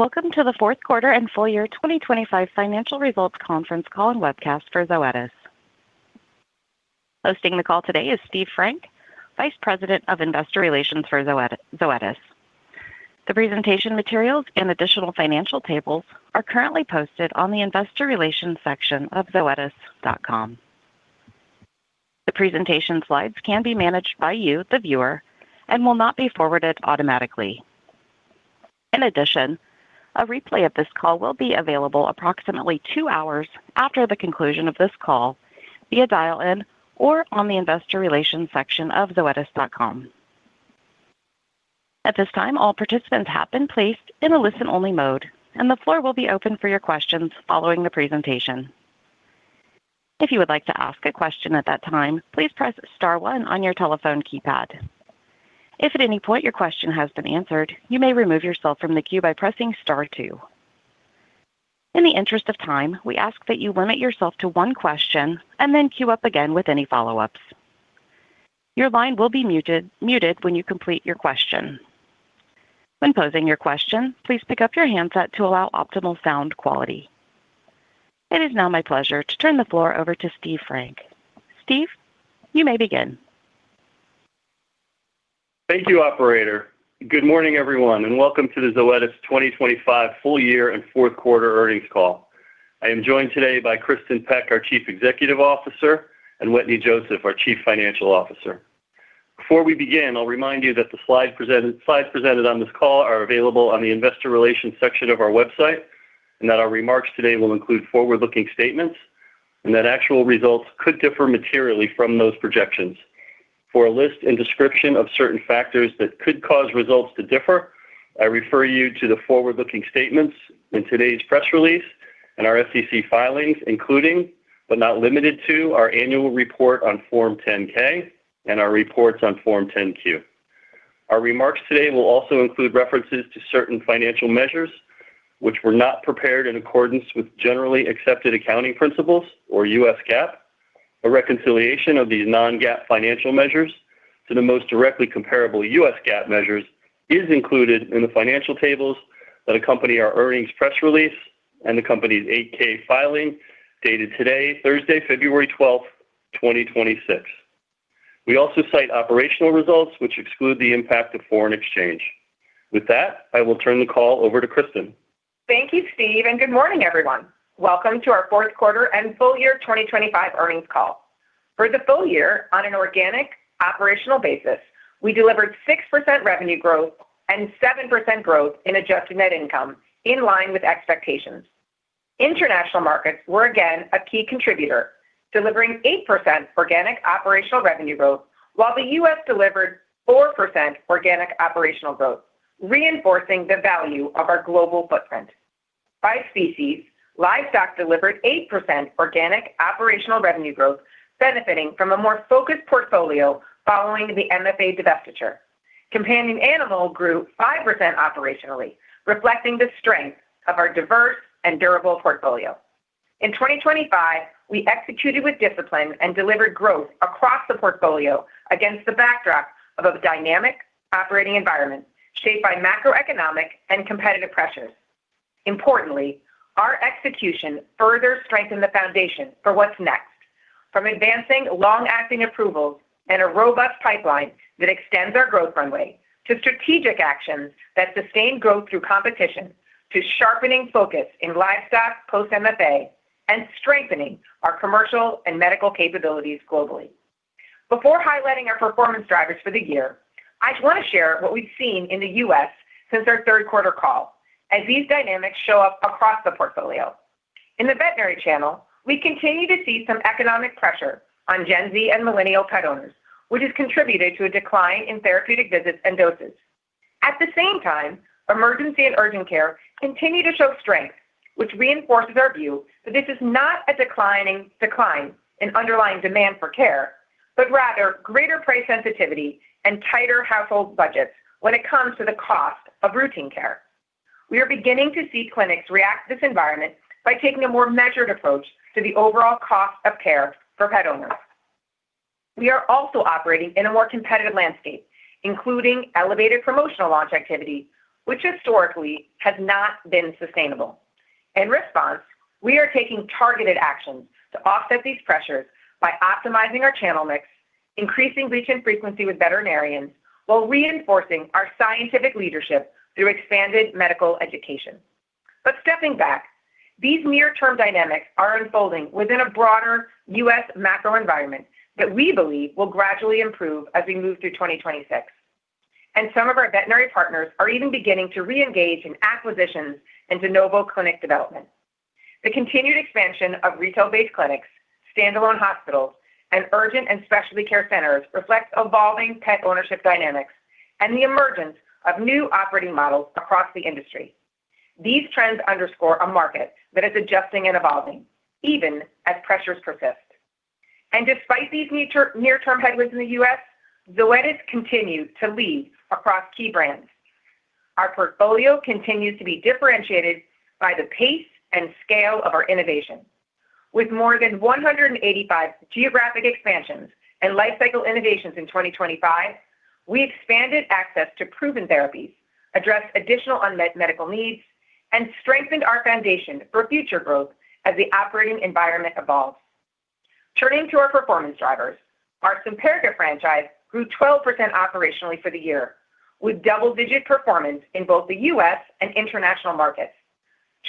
Welcome to the Fourth Quarter and Full Year 2025 Financial Results Conference Call and Webcast for Zoetis. Hosting the call today is Steve Frank, Vice President of Investor Relations for Zoetis, Zoetis. The presentation materials and additional financial tables are currently posted on the Investor Relations section of zoetis.com. The presentation slides can be managed by you, the viewer, and will not be forwarded automatically. In addition, a replay of this call will be available approximately two hours after the conclusion of this call via dial-in or on the Investor Relations section of zoetis.com. At this time, all participants have been placed in a listen-only mode, and the floor will be open for your questions following the presentation. If you would like to ask a question at that time, please press star one on your telephone keypad. If at any point your question has been answered, you may remove yourself from the queue by pressing star two. In the interest of time, we ask that you limit yourself to one question and then queue up again with any follow-ups. Your line will be muted when you complete your question. When posing your question, please pick up your handset to allow optimal sound quality. It is now my pleasure to turn the floor over to Steve Frank. Steve, you may begin. Thank you, operator. Good morning, everyone, and welcome to the Zoetis 2025 Full Year and Fourth Quarter Earnings Call. I am joined today by Kristin Peck, our Chief Executive Officer, and Wetteny Joseph, our Chief Financial Officer. Before we begin, I'll remind you that the slides presented on this call are available on the Investor Relations section of our website, and that our remarks today will include forward-looking statements and that actual results could differ materially from those projections. For a list and description of certain factors that could cause results to differ, I refer you to the forward-looking statements in today's press release and our SEC filings, including, but not limited to, our annual report on Form 10-K and our reports on Form 10-Q. Our remarks today will also include references to certain financial measures which were not prepared in accordance with generally accepted accounting principles or U.S. GAAP. A reconciliation of these non-GAAP financial measures to the most directly comparable U.S. GAAP measures is included in the financial tables that accompany our earnings press release and the company's 8-K filing, dated today, Thursday, February 12, 2026. We also cite operational results, which exclude the impact of foreign exchange. With that, I will turn the call over to Kristin. Thank you, Steve, and good morning, everyone. Welcome to our fourth quarter and full year 2025 earnings call. For the full year, on an organic operational basis, we delivered 6% revenue growth and 7% growth in adjusted net income, in line with expectations. International markets were again a key contributor, delivering 8% organic operational revenue growth, while the U.S. delivered 4% organic operational growth, reinforcing the value of our global footprint. By species, livestock delivered 8% organic operational revenue growth, benefiting from a more focused portfolio following the MFA divestiture. Companion animal grew 5% operationally, reflecting the strength of our diverse and durable portfolio. In 2025, we executed with discipline and delivered growth across the portfolio against the backdrop of a dynamic operating environment shaped by macroeconomic and competitive pressures. Importantly, our execution further strengthened the foundation for what's next, from advancing long-acting approvals and a robust pipeline that extends our growth runway, to strategic actions that sustain growth through competition, to sharpening focus in livestock post MFA and strengthening our commercial and medical capabilities globally. Before highlighting our performance drivers for the year, I want to share what we've seen in the U.S. since our third quarter call, as these dynamics show up across the portfolio. In the veterinary channel, we continue to see some economic pressure on Gen Z and millennial pet owners, which has contributed to a decline in therapeutic visits and doses. At the same time, emergency and urgent care continue to show strength, which reinforces our view that this is not a decline in underlying demand for care, but rather greater price sensitivity and tighter household budgets when it comes to the cost of routine care. We are beginning to see clinics react to this environment by taking a more measured approach to the overall cost of care for pet owners. We are also operating in a more competitive landscape, including elevated promotional launch activity, which historically has not been sustainable. In response, we are taking targeted actions to offset these pressures by optimizing our channel mix, increasing reach and frequency with veterinarians, while reinforcing our scientific leadership through expanded medical education. But stepping back, these near-term dynamics are unfolding within a broader U.S. macro environment that we believe will gradually improve as we move through 2026, and some of our veterinary partners are even beginning to reengage in acquisitions and de novo clinic development. The continued expansion of retail-based clinics, standalone hospitals, and urgent and specialty care centers reflects evolving pet ownership dynamics and the emergence of new operating models across the industry. These trends underscore a market that is adjusting and evolving even as pressures persist. And despite these near-term headwinds in the U.S., Zoetis continues to lead across key brands. Our portfolio continues to be differentiated by the pace and scale of our innovation.... With more than 185 geographic expansions and life cycle innovations in 2025, we expanded access to proven therapies, addressed additional unmet medical needs, and strengthened our foundation for future growth as the operating environment evolves. Turning to our performance drivers, our Simparica franchise grew 12% operationally for the year, with double-digit performance in both the U.S. and international markets.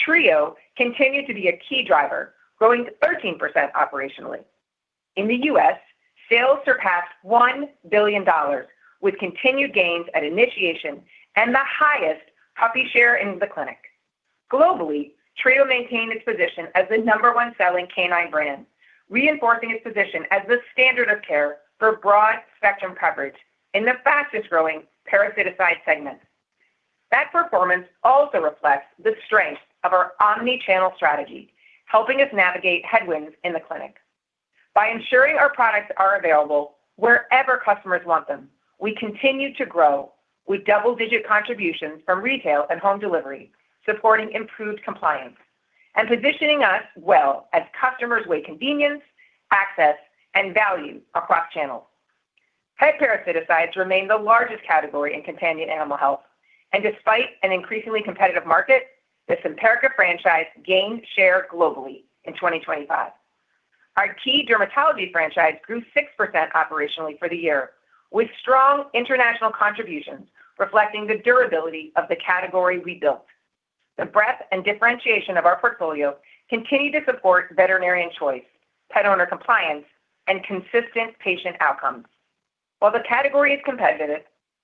Trio continued to be a key driver, growing 13% operationally. In the U.S., sales surpassed $1 billion, with continued gains at initiation and the highest puppy share in the clinic. Globally, Trio maintained its position as the number one selling canine brand, reinforcing its position as the standard of care for broad-spectrum coverage in the fastest-growing parasiticide segment. That performance also reflects the strength of our omni-channel strategy, helping us navigate headwinds in the clinic. By ensuring our products are available wherever customers want them, we continue to grow with double-digit contributions from retail and home delivery, supporting improved compliance and positioning us well as customers weigh convenience, access, and value across channels. Pet parasiticides remain the largest category in companion animal health, and despite an increasingly competitive market, the Simparica franchise gained share globally in 2025. Our key dermatology franchise grew 6% operationally for the year, with strong international contributions reflecting the durability of the category we built. The breadth and differentiation of our portfolio continue to support veterinarian choice, pet owner compliance, and consistent patient outcomes. While the category is competitive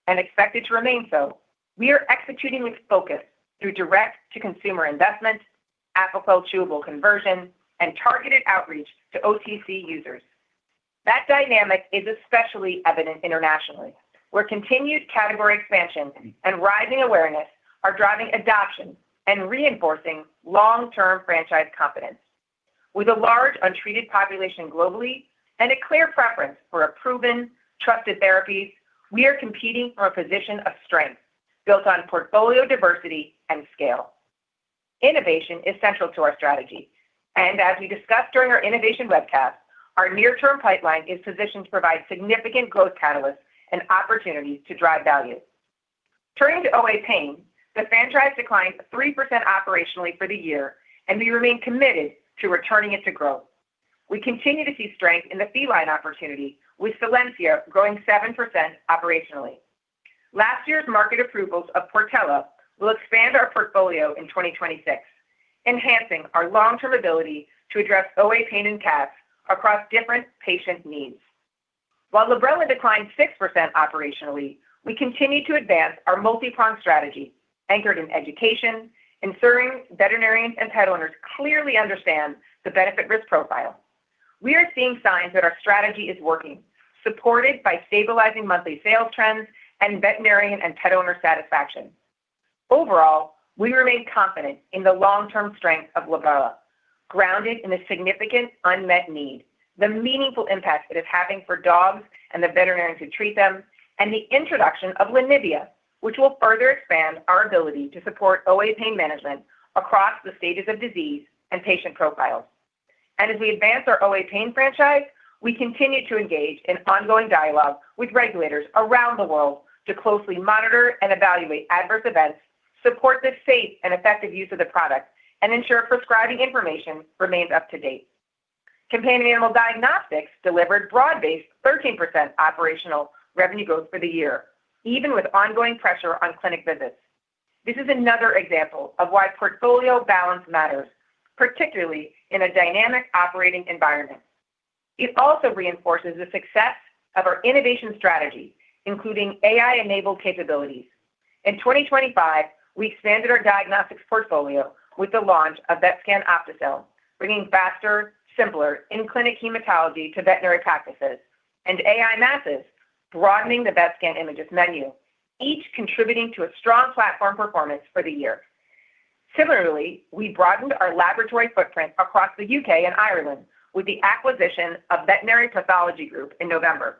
and expected to remain so, we are executing with focus through direct-to-consumer investments, Apoquel Chewable conversion, and targeted outreach to OTC users. That dynamic is especially evident internationally, where continued category expansion and rising awareness are driving adoption and reinforcing long-term franchise confidence. With a large untreated population globally and a clear preference for a proven, trusted therapy, we are competing from a position of strength built on portfolio diversity and scale. Innovation is central to our strategy, and as we discussed during our innovation webcast, our near-term pipeline is positioned to provide significant growth catalysts and opportunities to drive value. Turning to OA pain, the franchise declined 3% operationally for the year, and we remain committed to returning it to growth. We continue to see strength in the feline opportunity, with Solensia growing 7% operationally. Last year's market approvals of Portela will expand our portfolio in 2026, enhancing our long-term ability to address OA pain in cats across different patient needs. While Librela declined 6% operationally, we continue to advance our multi-pronged strategy, anchored in education, ensuring veterinarians and pet owners clearly understand the benefit-risk profile. We are seeing signs that our strategy is working, supported by stabilizing monthly sales trends and veterinarian and pet owner satisfaction. Overall, we remain confident in the long-term strength of Librela, grounded in a significant unmet need, the meaningful impact it is having for dogs and the veterinarians who treat them, and the introduction of Lenivia, which will further expand our ability to support OA pain management across the stages of disease and patient profiles. As we advance our OA pain franchise, we continue to engage in ongoing dialogue with regulators around the world to closely monitor and evaluate adverse events, support the safe and effective use of the product, and ensure prescribing information remains up-to-date. Companion animal diagnostics delivered broad-based 13% operational revenue growth for the year, even with ongoing pressure on clinic visits. This is another example of why portfolio balance matters, particularly in a dynamic operating environment. It also reinforces the success of our innovation strategy, including AI-enabled capabilities. In 2025, we expanded our diagnostics portfolio with the launch of Vetscan OptiCell, bringing faster, simpler in-clinic hematology to veterinary practices, and Imagyst, broadening the Vetscan Imagyst menu, each contributing to a strong platform performance for the year. Similarly, we broadened our laboratory footprint across the UK and Ireland with the acquisition of Veterinary Pathology Group in November.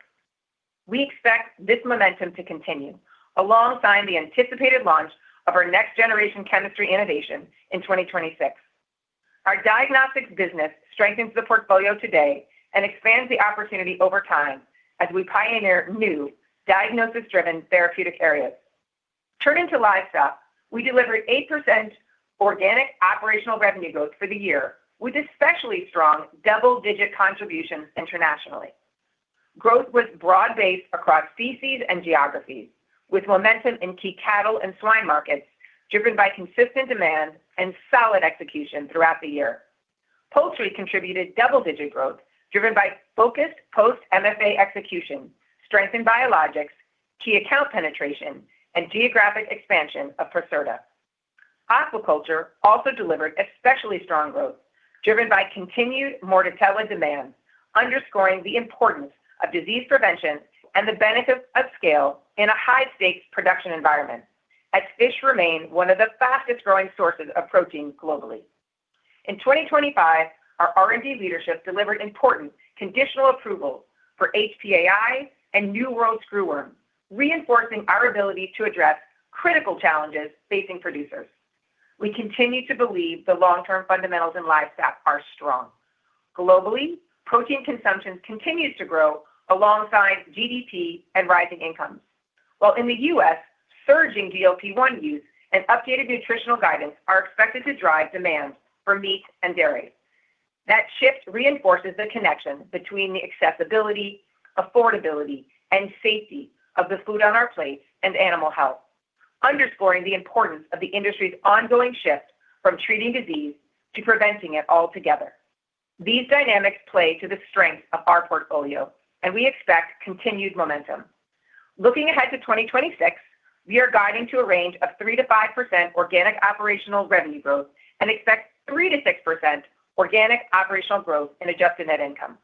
We expect this momentum to continue alongside the anticipated launch of our next-generation chemistry innovation in 2026. Our diagnostics business strengthens the portfolio today and expands the opportunity over time as we pioneer new diagnosis-driven therapeutic areas. Turning to livestock, we delivered 8% organic operational revenue growth for the year, with especially strong double-digit contributions internationally. Growth was broad-based across species and geographies, with momentum in key cattle and swine markets, driven by consistent demand and solid execution throughout the year. Poultry contributed double-digit growth, driven by focused post-MFA execution, strengthened biologics, key account penetration, and geographic expansion of Pracerda. Aquaculture also delivered especially strong growth, driven by continued Mortella demand, underscoring the importance of disease prevention and the benefit of scale in a high-stakes production environment, as fish remain one of the fastest-growing sources of protein globally. In 2025, our R&D leadership delivered important conditional approvals for HPAI and New World screwworm, reinforcing our ability to address critical challenges facing producers. We continue to believe the long-term fundamentals in livestock are strong. Globally, protein consumption continues to grow alongside GDP and rising incomes, while in the U.S., surging DLP-1 use and updated nutritional guidance are expected to drive demand for meat and dairy. That shift reinforces the connection between the accessibility, affordability, and safety of the food on our plates and animal health, underscoring the importance of the industry's ongoing shift from treating disease to preventing it altogether. These dynamics play to the strength of our portfolio, and we expect continued momentum. Looking ahead to 2026, we are guiding to a range of 3%-5% organic operational revenue growth and expect 3%-6% organic operational growth in adjusted net income.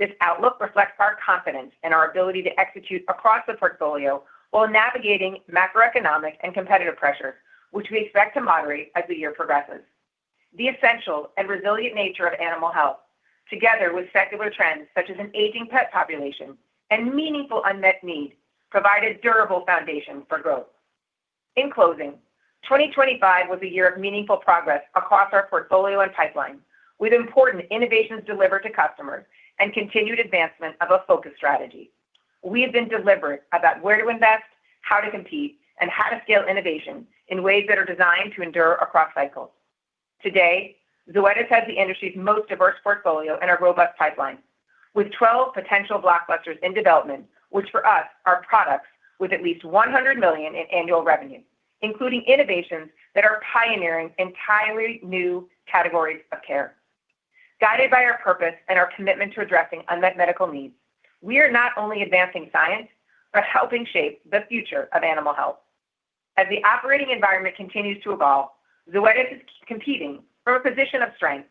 This outlook reflects our confidence in our ability to execute across the portfolio while navigating macroeconomic and competitive pressure, which we expect to moderate as the year progresses. The essential and resilient nature of animal health, together with secular trends such as an aging pet population and meaningful unmet need, provide a durable foundation for growth. In closing, 2025 was a year of meaningful progress across our portfolio and pipeline, with important innovations delivered to customers and continued advancement of a focused strategy. We have been deliberate about where to invest, how to compete, and how to scale innovation in ways that are designed to endure across cycles. Today, Zoetis has the industry's most diverse portfolio and a robust pipeline, with 12 potential blockbusters in development, which for us are products with at least $100 million in annual revenue, including innovations that are pioneering entirely new categories of care. Guided by our purpose and our commitment to addressing unmet medical needs, we are not only advancing science, but helping shape the future of animal health. As the operating environment continues to evolve, Zoetis is competing from a position of strength,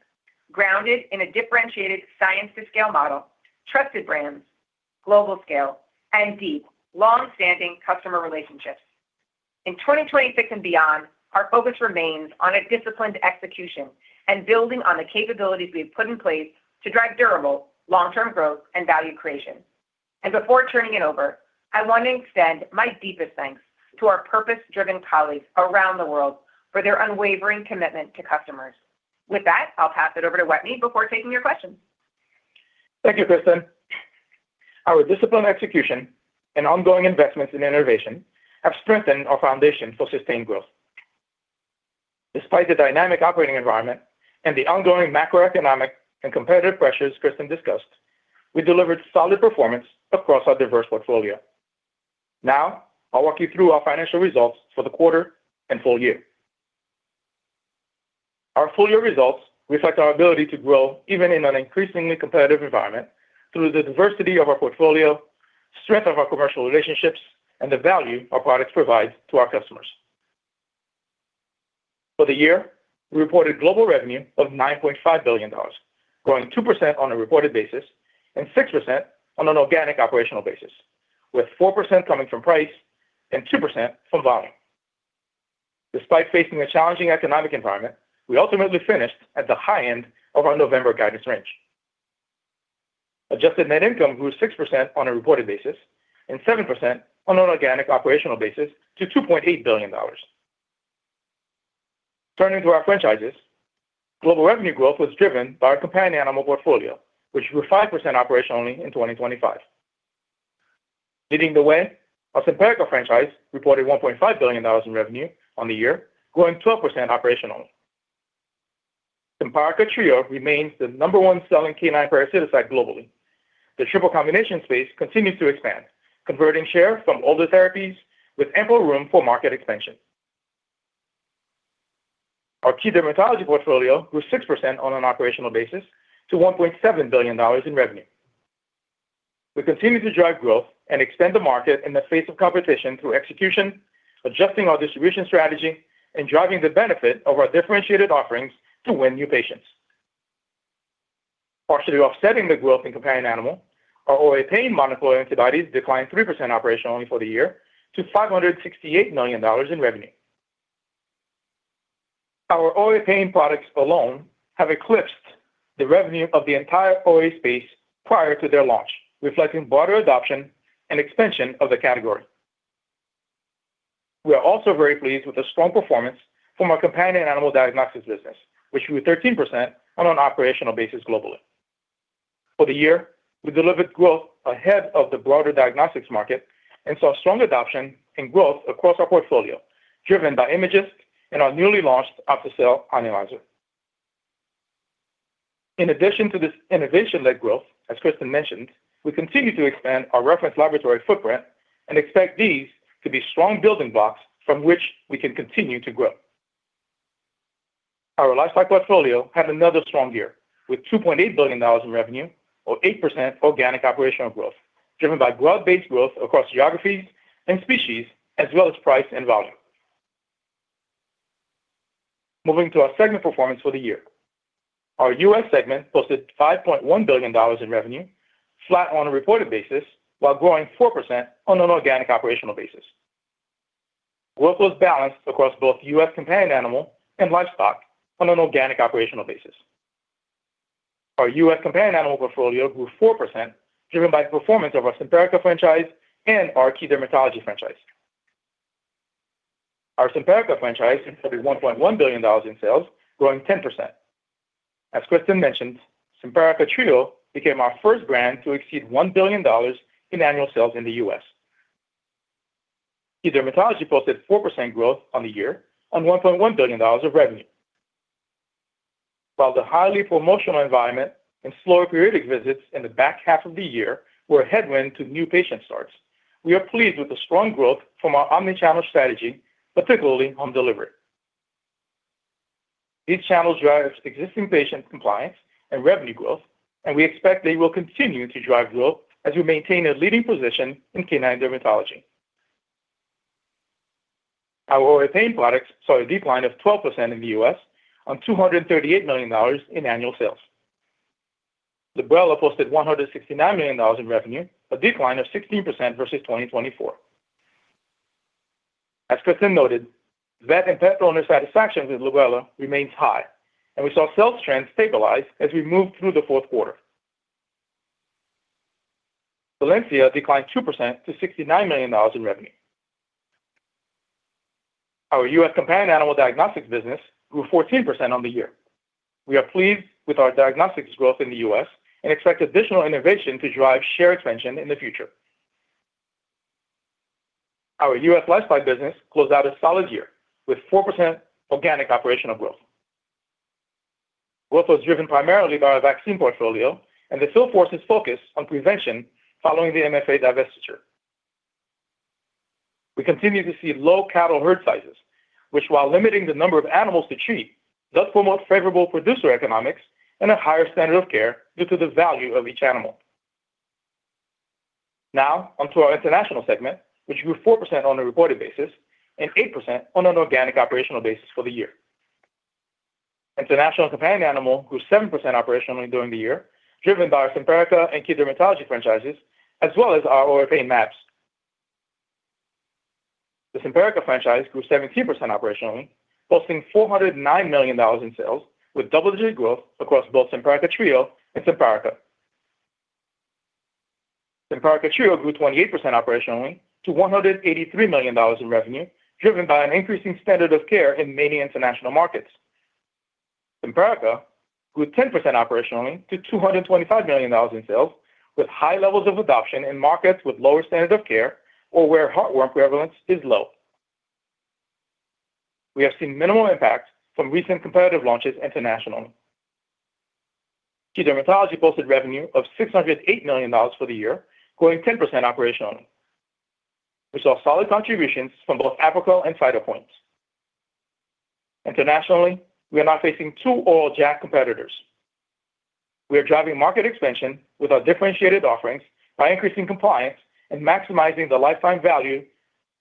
grounded in a differentiated science-to-scale model, trusted brands, global scale, and deep, long-standing customer relationships. In 2026 and beyond, our focus remains on a disciplined execution and building on the capabilities we've put in place to drive durable, long-term growth and value creation. Before turning it over, I want to extend my deepest thanks to our purpose-driven colleagues around the world for their unwavering commitment to customers. With that, I'll pass it over to Wetteny before taking your questions. Thank you, Kristin. Our disciplined execution and ongoing investments in innovation have strengthened our foundation for sustained growth. Despite the dynamic operating environment and the ongoing macroeconomic and competitive pressures Kristin discussed, we delivered solid performance across our diverse portfolio. Now, I'll walk you through our financial results for the quarter and full year. Our full-year results reflect our ability to grow even in an increasingly competitive environment through the diversity of our portfolio, strength of our commercial relationships, and the value our products provide to our customers. For the year, we reported global revenue of $9.5 billion, growing 2% on a reported basis and 6% on an organic operational basis, with 4% coming from price and 2% from volume. Despite facing a challenging economic environment, we ultimately finished at the high end of our November guidance range. Adjusted net income grew 6% on a reported basis and 7% on an organic operational basis to $2.8 billion. Turning to our franchises, global revenue growth was driven by our companion animal portfolio, which grew 5% operationally in 2025. Leading the way, our Simparica franchise reported $1.5 billion in revenue on the year, growing 12% operationally. Simparica Trio remains the number one selling canine parasiticide globally. The triple combination space continues to expand, converting share from older therapies with ample room for market expansion. Our key dermatology portfolio grew 6% on an operational basis to $1.7 billion in revenue. We continue to drive growth and extend the market in the face of competition through execution, adjusting our distribution strategy, and driving the benefit of our differentiated offerings to win new patients. Partially offsetting the growth in companion animal, our OA pain monoclonal antibodies declined 3% operationally for the year to $568 million in revenue. Our OA pain products alone have eclipsed the revenue of the entire OA space prior to their launch, reflecting broader adoption and expansion of the category. We are also very pleased with the strong performance from our companion animal diagnostics business, which grew 13% on an operational basis globally. For the year, we delivered growth ahead of the broader diagnostics market and saw strong adoption and growth across our portfolio, driven by Imagyst and our newly launched OptiCell analyzer. In addition to this innovation-led growth, as Kristin mentioned, we continue to expand our reference laboratory footprint and expect these to be strong building blocks from which we can continue to grow. Our livestock portfolio had another strong year, with $2.8 billion in revenue or 8% organic operational growth, driven by growth-based growth across geographies and species, as well as price and volume. Moving to our segment performance for the year. Our U.S. segment posted $5.1 billion in revenue, flat on a reported basis, while growing 4% on an organic operational basis. Growth was balanced across both U.S. companion animal and livestock on an organic operational basis. Our U.S. companion animal portfolio grew 4%, driven by the performance of our Simparica franchise and our key dermatology franchise. Our Simparica franchise delivered $1.1 billion in sales, growing 10%. As Kristin mentioned, Simparica Trio became our first brand to exceed $1 billion in annual sales in the U.S. Key Dermatology posted 4% growth on the year on $1.1 billion of revenue. While the highly promotional environment and slower periodic visits in the back half of the year were a headwind to new patient starts, we are pleased with the strong growth from our omni-channel strategy, particularly home delivery. These channels drive existing patient compliance and revenue growth, and we expect they will continue to drive growth as we maintain a leading position in canine dermatology. Our oral pain products saw a decline of 12% in the U.S. on $238 million in annual sales. Librela posted $169 million in revenue, a decline of 16% versus 2024. As Kristin noted, vet and pet owner satisfaction with Librela remains high, and we saw sales trends stabilize as we moved through the fourth quarter. Valancia declined 2% to $69 million in revenue. Our U.S. companion animal diagnostics business grew 14% on the year. We are pleased with our diagnostics growth in the U.S. and expect additional innovation to drive share expansion in the future. Our U.S. lifestyle business closed out a solid year with 4% organic operational growth. Growth was driven primarily by our vaccine portfolio and the sales force is focused on prevention following the MFA divestiture. We continue to see low cattle herd sizes, which, while limiting the number of animals to treat, does promote favorable producer economics and a higher standard of care due to the value of each animal. Now on to our international segment, which grew 4% on a reported basis and 8% on an organic operational basis for the year. International companion animal grew 7% operationally during the year, driven by our Simparica and key dermatology franchises, as well as our OA pain mAbs. The Simparica franchise grew 17% operationally, posting $409 million in sales, with double-digit growth across both Simparica Trio and Simparica. Simparica Trio grew 28% operationally to $183 million in revenue, driven by an increasing standard of care in many international markets. Simparica grew 10% operationally to $225 million in sales, with high levels of adoption in markets with lower standards of care or where heartworm prevalence is low. We have seen minimal impact from recent competitive launches internationally. Key dermatology posted revenue of $608 million for the year, growing 10% operationally. We saw solid contributions from both Apoquel and Cytopoint. Internationally, we are now facing two oral JAK competitors. We are driving market expansion with our differentiated offerings by increasing compliance and maximizing the lifetime value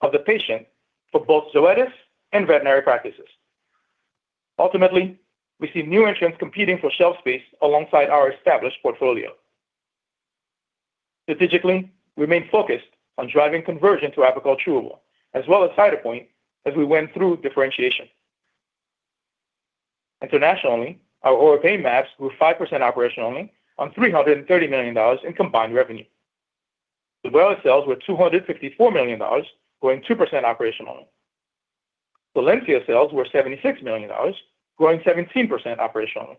of the patient for both Zoetis and veterinary practices. Ultimately, we see new entrants competing for shelf space alongside our established portfolio. Strategically, we remain focused on driving conversion to Apoquel chewable as well as Cytopoint as we went through differentiation. Internationally, our OA pain mAbs grew 5% operationally on $330 million in combined revenue. Librela sales were $254 million, growing 2% operationally. Solensia sales were $76 million, growing 17% operationally.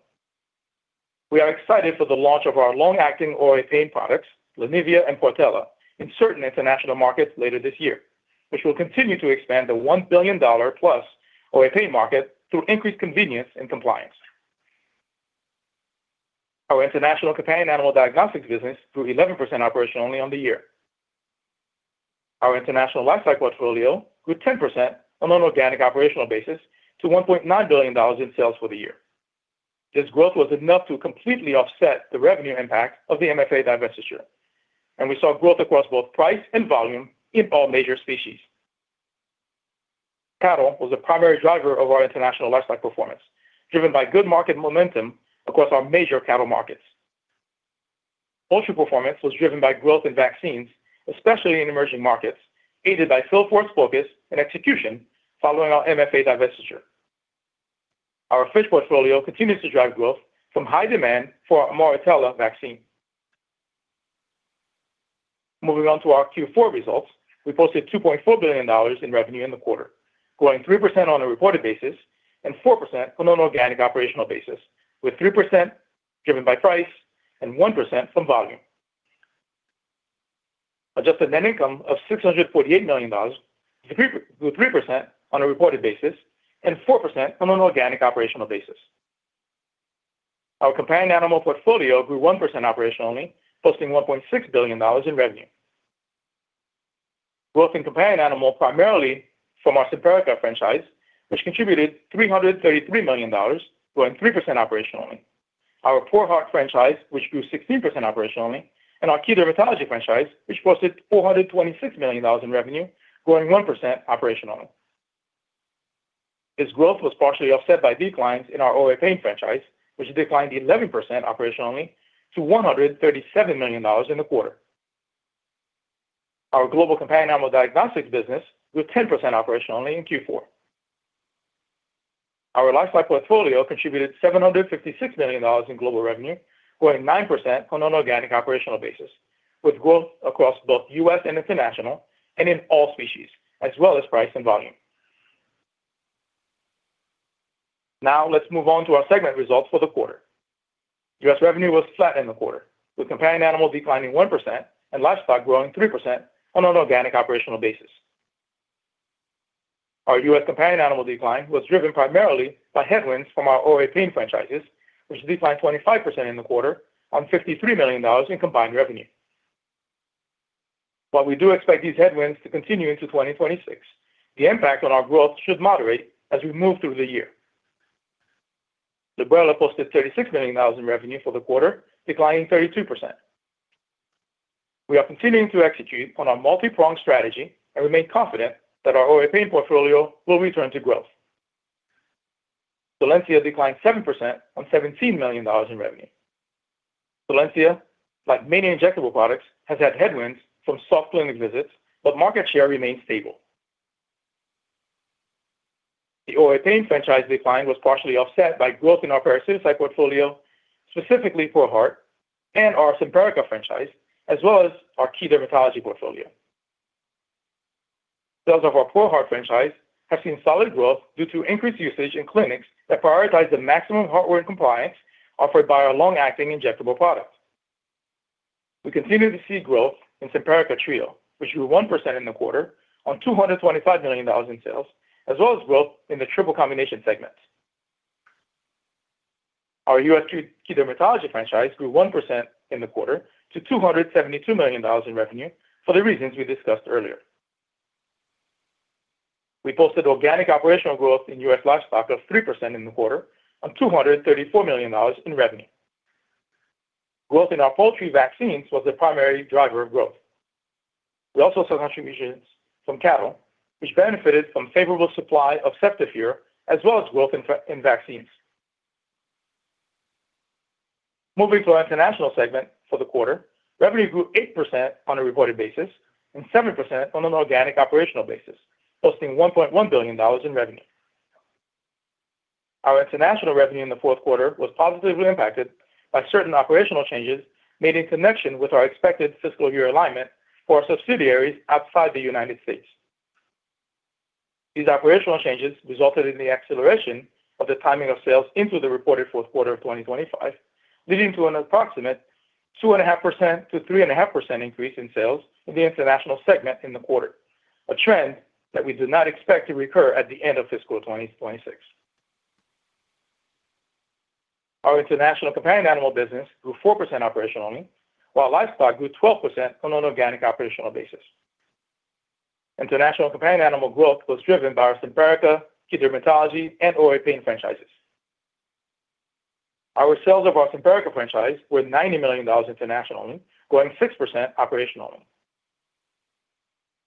We are excited for the launch of our long-acting oral pain products, Lenivia and Portela, in certain international markets later this year, which will continue to expand the $1 billion-plus oral pain market through increased convenience and compliance. Our international companion animal diagnostics business grew 11% operationally on the year. Our international livestock portfolio grew 10% on an organic operational basis to $1.9 billion in sales for the year. This growth was enough to completely offset the revenue impact of the MFA divestiture, and we saw growth across both price and volume in all major species. Cattle was the primary driver of our international livestock performance, driven by good market momentum across our major cattle markets. Poultry performance was driven by growth in vaccines, especially in emerging markets, aided by sales force focus and execution following our MFA divestiture. Our fish portfolio continues to drive growth from high demand for our Mortella vaccine. Moving on to our Q4 results, we posted $2.4 billion in revenue in the quarter, growing 3% on a reported basis and 4% on an organic operational basis, with 3% driven by price and 1% from volume. Adjusted net income of $648 million grew 3% on a reported basis and 4% on an organic operational basis. Our companion animal portfolio grew 1% operationally, posting $1.6 billion in revenue. Growth in companion animal primarily from our Simparica franchise, which contributed $333 million, growing 3% operationally. Our ProHeart franchise, which grew 16% operationally, and our key dermatology franchise, which posted $426 million in revenue, growing 1% operationally. This growth was partially offset by declines in our oral pain franchise, which declined 11% operationally to $137 million in the quarter. Our global companion animal diagnostics business grew 10% operationally in Q4. Our lifestyle portfolio contributed $756 million in global revenue, growing 9% on an organic operational basis, with growth across both US and international and in all species, as well as price and volume. Now let's move on to our segment results for the quarter. US revenue was flat in the quarter, with companion animal declining 1% and livestock growing 3% on an organic operational basis. Our US companion animal decline was driven primarily by headwinds from our OA pain franchises, which declined 25% in the quarter on $53 million in combined revenue. While we do expect these headwinds to continue into 2026, the impact on our growth should moderate as we move through the year. Librela posted $36 million in revenue for the quarter, declining 32%. We are continuing to execute on our multi-pronged strategy and remain confident that our OA pain portfolio will return to growth. Solensia declined 7% on $17 million in revenue. Solensia, like many injectable products, has had headwinds from soft clinic visits, but market share remains stable. The OA pain franchise decline was partially offset by growth in our parasiticide portfolio, specifically for ProHeart and our Simparica franchise, as well as our key dermatology portfolio. Sales of our ProHeart franchise have seen solid growth due to increased usage in clinics that prioritize the maximum heartworm compliance offered by our long-acting injectable product. We continue to see growth in Simparica Trio, which grew 1% in the quarter on $225 million in sales, as well as growth in the triple combination segment. Our U.S. key dermatology franchise grew 1% in the quarter to $272 million in revenue for the reasons we discussed earlier. We posted organic operational growth in U.S. livestock of 3% in the quarter on $234 million in revenue. Growth in our poultry vaccines was the primary driver of growth. We also saw contributions from cattle, which benefited from favorable supply of Ceftiofur, as well as growth in vaccines. Moving to our international segment for the quarter, revenue grew 8% on a reported basis and 7% on an organic operational basis, posting $1.1 billion in revenue. Our international revenue in the fourth quarter was positively impacted by certain operational changes made in connection with our expected fiscal year alignment for our subsidiaries outside the United States. These operational changes resulted in the acceleration of the timing of sales into the reported fourth quarter of 2025, leading to an approximate 2.5%-3.5% increase in sales in the international segment in the quarter, a trend that we do not expect to recur at the end of fiscal 2026. Our international companion animal business grew 4% operationally, while livestock grew 12% on an organic operational basis. International companion animal growth was driven by our Simparica, key dermatology, and OA pain franchises. Our sales of our Simparica franchise were $90 million internationally, growing 6% operationally.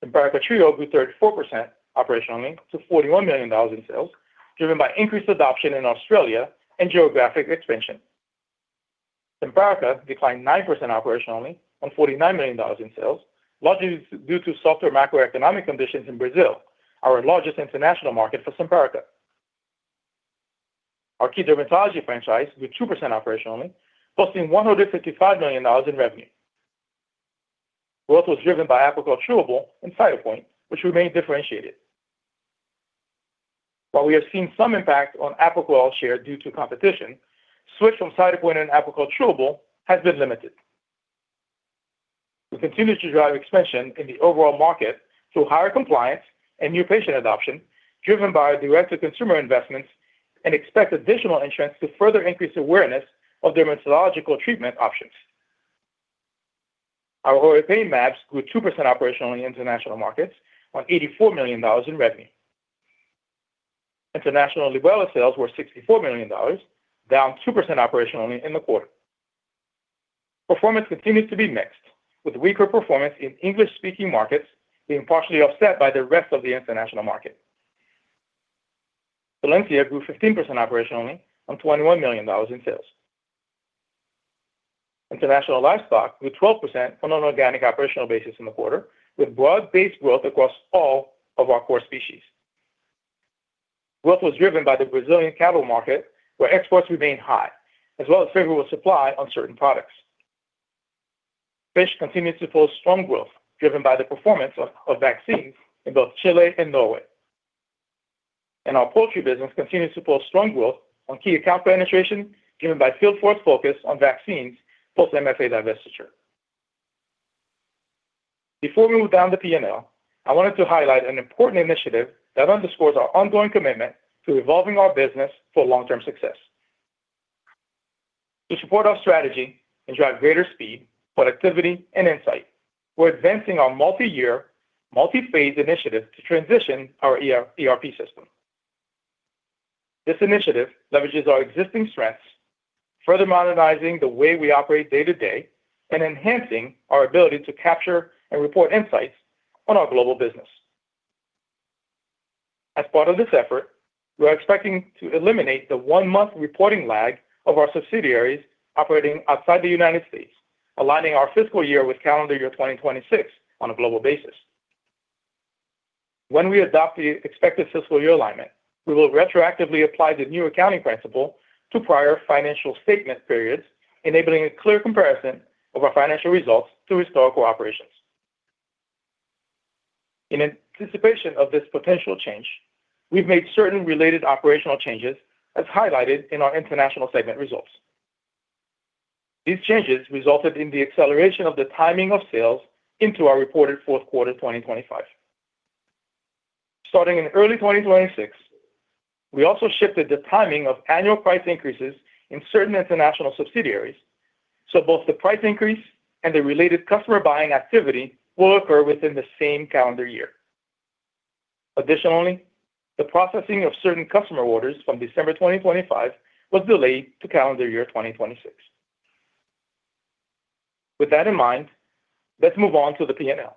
Simparica Trio grew 34% operationally to $41 million in sales, driven by increased adoption in Australia and geographic expansion. Simparica declined 9% operationally on $49 million in sales, largely due to softer macroeconomic conditions in Brazil, our largest international market for Simparica. Our key dermatology franchise grew 2% operationally, posting $155 million in revenue. Growth was driven by Apoquel Chewable and Cytopoint, which remain differentiated. While we have seen some impact on Apoquel share due to competition, switch from Cytopoint and Apoquel Chewable has been limited. We continue to drive expansion in the overall market through higher compliance and new patient adoption, driven by our direct-to-consumer investments and expect additional entrants to further increase awareness of dermatological treatment options. Our OA pain mAbs grew 2% operationally in international markets on $84 million in revenue. International Librela sales were $64 million, down 2% operationally in the quarter. Performance continues to be mixed, with weaker performance in English-speaking markets being partially offset by the rest of the international market. Solensia grew 15% operationally on $21 million in sales. International livestock grew 12% on an organic operational basis in the quarter, with broad-based growth across all of our core species. Growth was driven by the Brazilian cattle market, where exports remained high, as well as favorable supply on certain products. Fish continues to post strong growth, driven by the performance of vaccines in both Chile and Norway. Our poultry business continues to post strong growth on key account penetration driven by field force focus on vaccines, post MFA divestiture. Before we move down the P&L, I wanted to highlight an important initiative that underscores our ongoing commitment to evolving our business for long-term success. To support our strategy and drive greater speed, productivity, and insight, we're advancing our multi-year, multi-phase initiative to transition our ERP system. This initiative leverages our existing strengths, further modernizing the way we operate day to day and enhancing our ability to capture and report insights on our global business. As part of this effort, we are expecting to eliminate the one-month reporting lag of our subsidiaries operating outside the United States, aligning our fiscal year with calendar year 2026 on a global basis. When we adopt the expected fiscal year alignment, we will retroactively apply the new accounting principle to prior financial statement periods, enabling a clear comparison of our financial results to historical operations. In anticipation of this potential change, we've made certain related operational changes as highlighted in our international segment results. These changes resulted in the acceleration of the timing of sales into our reported fourth quarter 2025. Starting in early 2026, we also shifted the timing of annual price increases in certain international subsidiaries, so both the price increase and the related customer buying activity will occur within the same calendar year. Additionally, the processing of certain customer orders from December 2025 was delayed to calendar year 2026. With that in mind, let's move on to the P&L.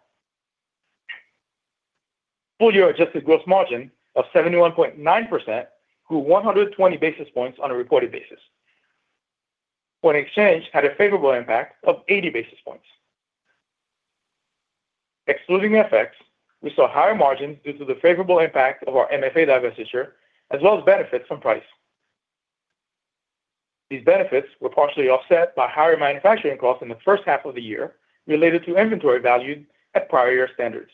Full year adjusted gross margin of 71.9% grew 120 basis points on a reported basis, foreign exchange had a favorable impact of 80 basis points. Excluding the effects, we saw higher margins due to the favorable impact of our MFA divestiture, as well as benefits from price. These benefits were partially offset by higher manufacturing costs in the first half of the year, related to inventory valued at prior year standards.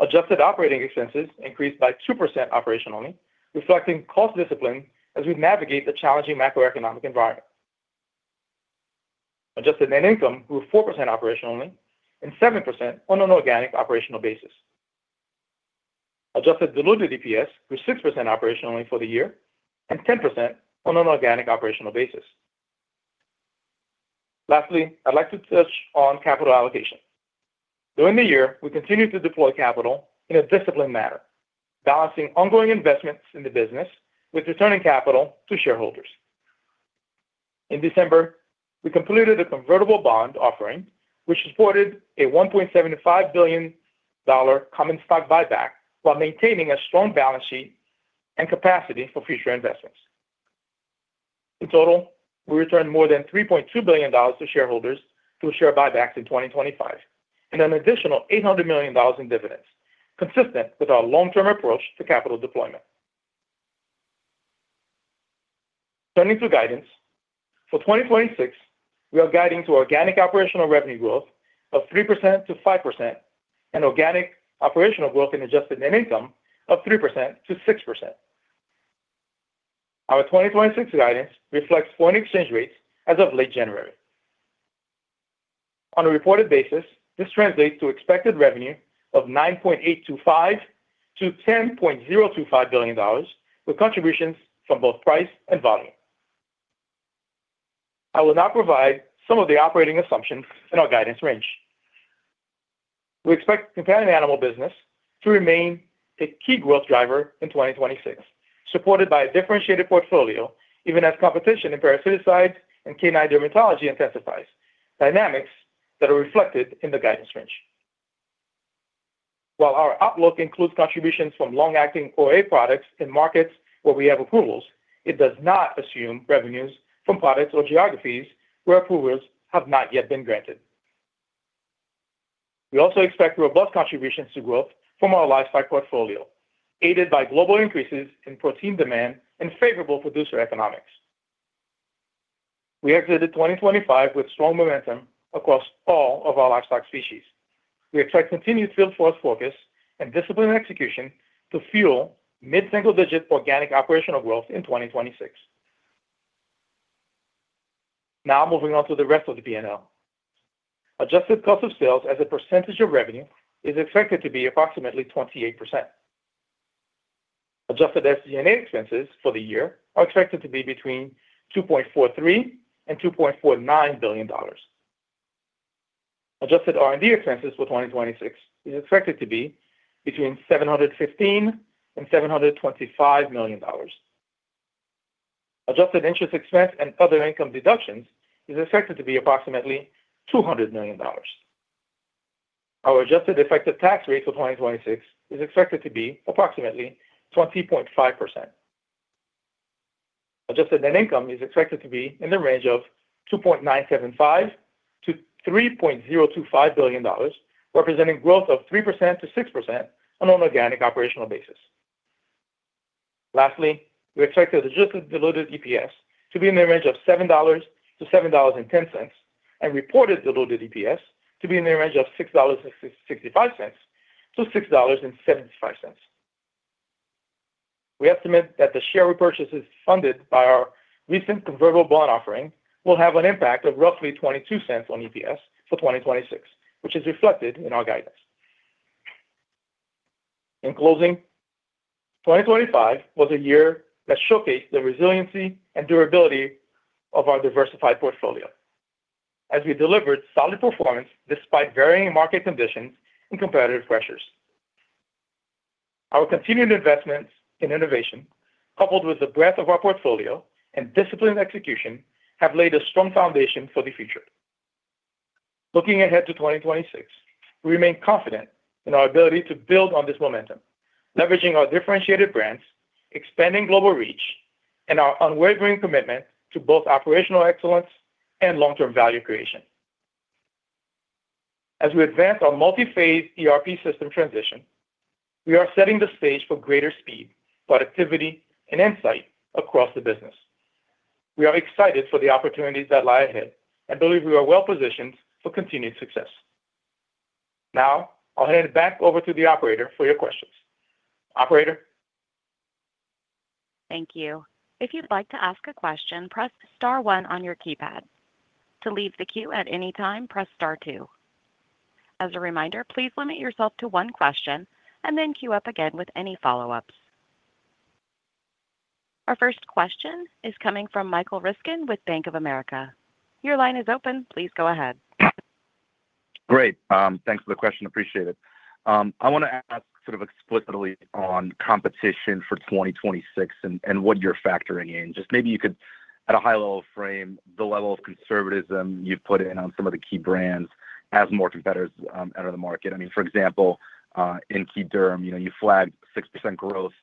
Adjusted operating expenses increased by 2% operationally, reflecting cost discipline as we navigate the challenging macroeconomic environment. Adjusted net income grew 4% operationally and 7% on an organic operational basis. Adjusted diluted EPS grew 6% operationally for the year and 10% on an organic operational basis. Lastly, I'd like to touch on capital allocation. During the year, we continued to deploy capital in a disciplined manner, balancing ongoing investments in the business with returning capital to shareholders. In December, we completed a convertible bond offering, which supported a $1.75 billion common stock buyback while maintaining a strong balance sheet and capacity for future investments. In total, we returned more than $3.2 billion to shareholders through share buybacks in 2025, and an additional $800 million in dividends, consistent with our long-term approach to capital deployment. Turning to guidance. For 2026, we are guiding to organic operational revenue growth of 3%-5% and organic operational growth in adjusted net income of 3%-6%. Our 2026 guidance reflects foreign exchange rates as of late January. On a reported basis, this translates to expected revenue of $9.825 billion-$10.025 billion, with contributions from both price and volume. I will now provide some of the operating assumptions in our guidance range. We expect companion animal business to remain a key growth driver in 2026, supported by a differentiated portfolio, even as competition in parasiticides and canine dermatology intensifies, dynamics that are reflected in the guidance range. While our outlook includes contributions from long-acting OA products in markets where we have approvals, it does not assume revenues from products or geographies where approvals have not yet been granted. We also expect robust contributions to growth from our livestock portfolio, aided by global increases in protein demand and favorable producer economics. We exited 2025 with strong momentum across all of our livestock species. We expect continued field force focus and disciplined execution to fuel mid-single-digit organic operational growth in 2026. Now, moving on to the rest of the PNL. Adjusted cost of sales as a percentage of revenue is expected to be approximately 28%. Adjusted SG&A expenses for the year are expected to be between $2.43 billion and $2.49 billion. Adjusted R&D expenses for 2026 is expected to be between $715 million and $725 million. Adjusted interest expense and other income deductions is expected to be approximately $200 million. Our adjusted effective tax rate for 2026 is expected to be approximately 20.5%. Adjusted net income is expected to be in the range of $2.975 billion-$3.025 billion, representing growth of 3%-6% on an organic operational basis. Lastly, we expect the adjusted diluted EPS to be in the range of $7-$7.10, and reported diluted EPS to be in the range of $6.65-$6.75. We estimate that the share repurchases funded by our recent convertible bond offering will have an impact of roughly $0.22 on EPS for 2026, which is reflected in our guidance. In closing, 2025 was a year that showcased the resiliency and durability of our diversified portfolio as we delivered solid performance despite varying market conditions and competitive pressures. Our continued investments in innovation, coupled with the breadth of our portfolio and disciplined execution, have laid a strong foundation for the future.... Looking ahead to 2026, we remain confident in our ability to build on this momentum, leveraging our differentiated brands, expanding global reach, and our unwavering commitment to both operational excellence and long-term value creation. As we advance our multi-phase ERP system transition, we are setting the stage for greater speed, productivity, and insight across the business. We are excited for the opportunities that lie ahead and believe we are well-positioned for continued success. Now, I'll hand it back over to the operator for your questions. Operator? Thank you. If you'd like to ask a question, press star one on your keypad. To leave the queue at any time, press star two. As a reminder, please limit yourself to one question and then queue up again with any follow-ups. Our first question is coming from Michael Ryskin with Bank of America. Your line is open. Please go ahead. Great. Thanks for the question. Appreciate it. I want to ask sort of explicitly on competition for 2026 and what you're factoring in. Just maybe you could, at a high level, frame the level of conservatism you've put in on some of the key brands as more competitors enter the market. I mean, for example, in key derm, you know, you flagged 6% growth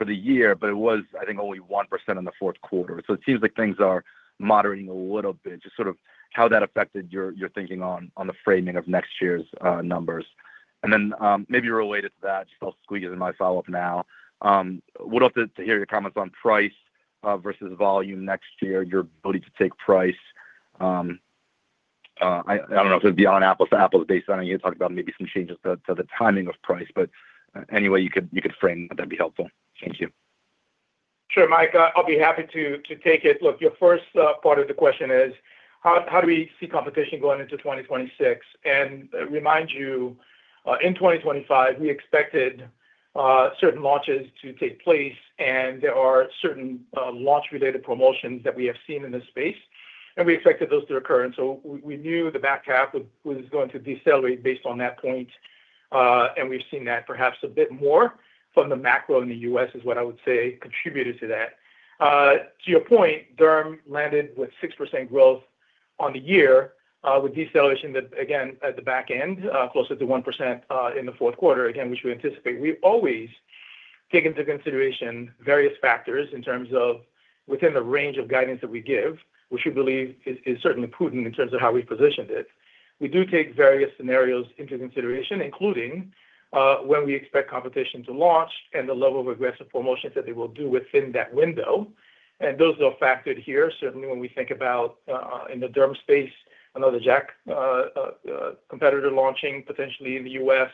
for the year, but it was, I think, only 1% in the fourth quarter. So it seems like things are moderating a little bit. Just sort of how that affected your thinking on the framing of next year's numbers. And then, maybe related to that, just I'll squeeze in my follow-up now. Would love to hear your comments on price versus volume next year, your ability to take price. I don't know if it'd be on apples to apples based on you talked about maybe some changes to the timing of price, but any way you could frame that'd be helpful. Thank you. Sure, Mike, I'll be happy to take it. Look, your first part of the question is, how do we see competition going into 2026? And remind you, in 2025, we expected certain launches to take place, and there are certain launch-related promotions that we have seen in this space, and we expected those to occur. And so we knew the back half was going to decelerate based on that point, and we've seen that perhaps a bit more from the macro in the U.S., is what I would say contributed to that. To your point, Derm landed with 6% growth on the year, with deceleration that again, at the back end, closer to 1%, in the fourth quarter, again, which we anticipate. We always take into consideration various factors in terms of within the range of guidance that we give, which we believe is certainly prudent in terms of how we positioned it. We do take various scenarios into consideration, including, when we expect competition to launch and the level of aggressive promotions that they will do within that window. And those are factored here, certainly when we think about, in the derm space, another JAK competitor launching potentially in the U.S.,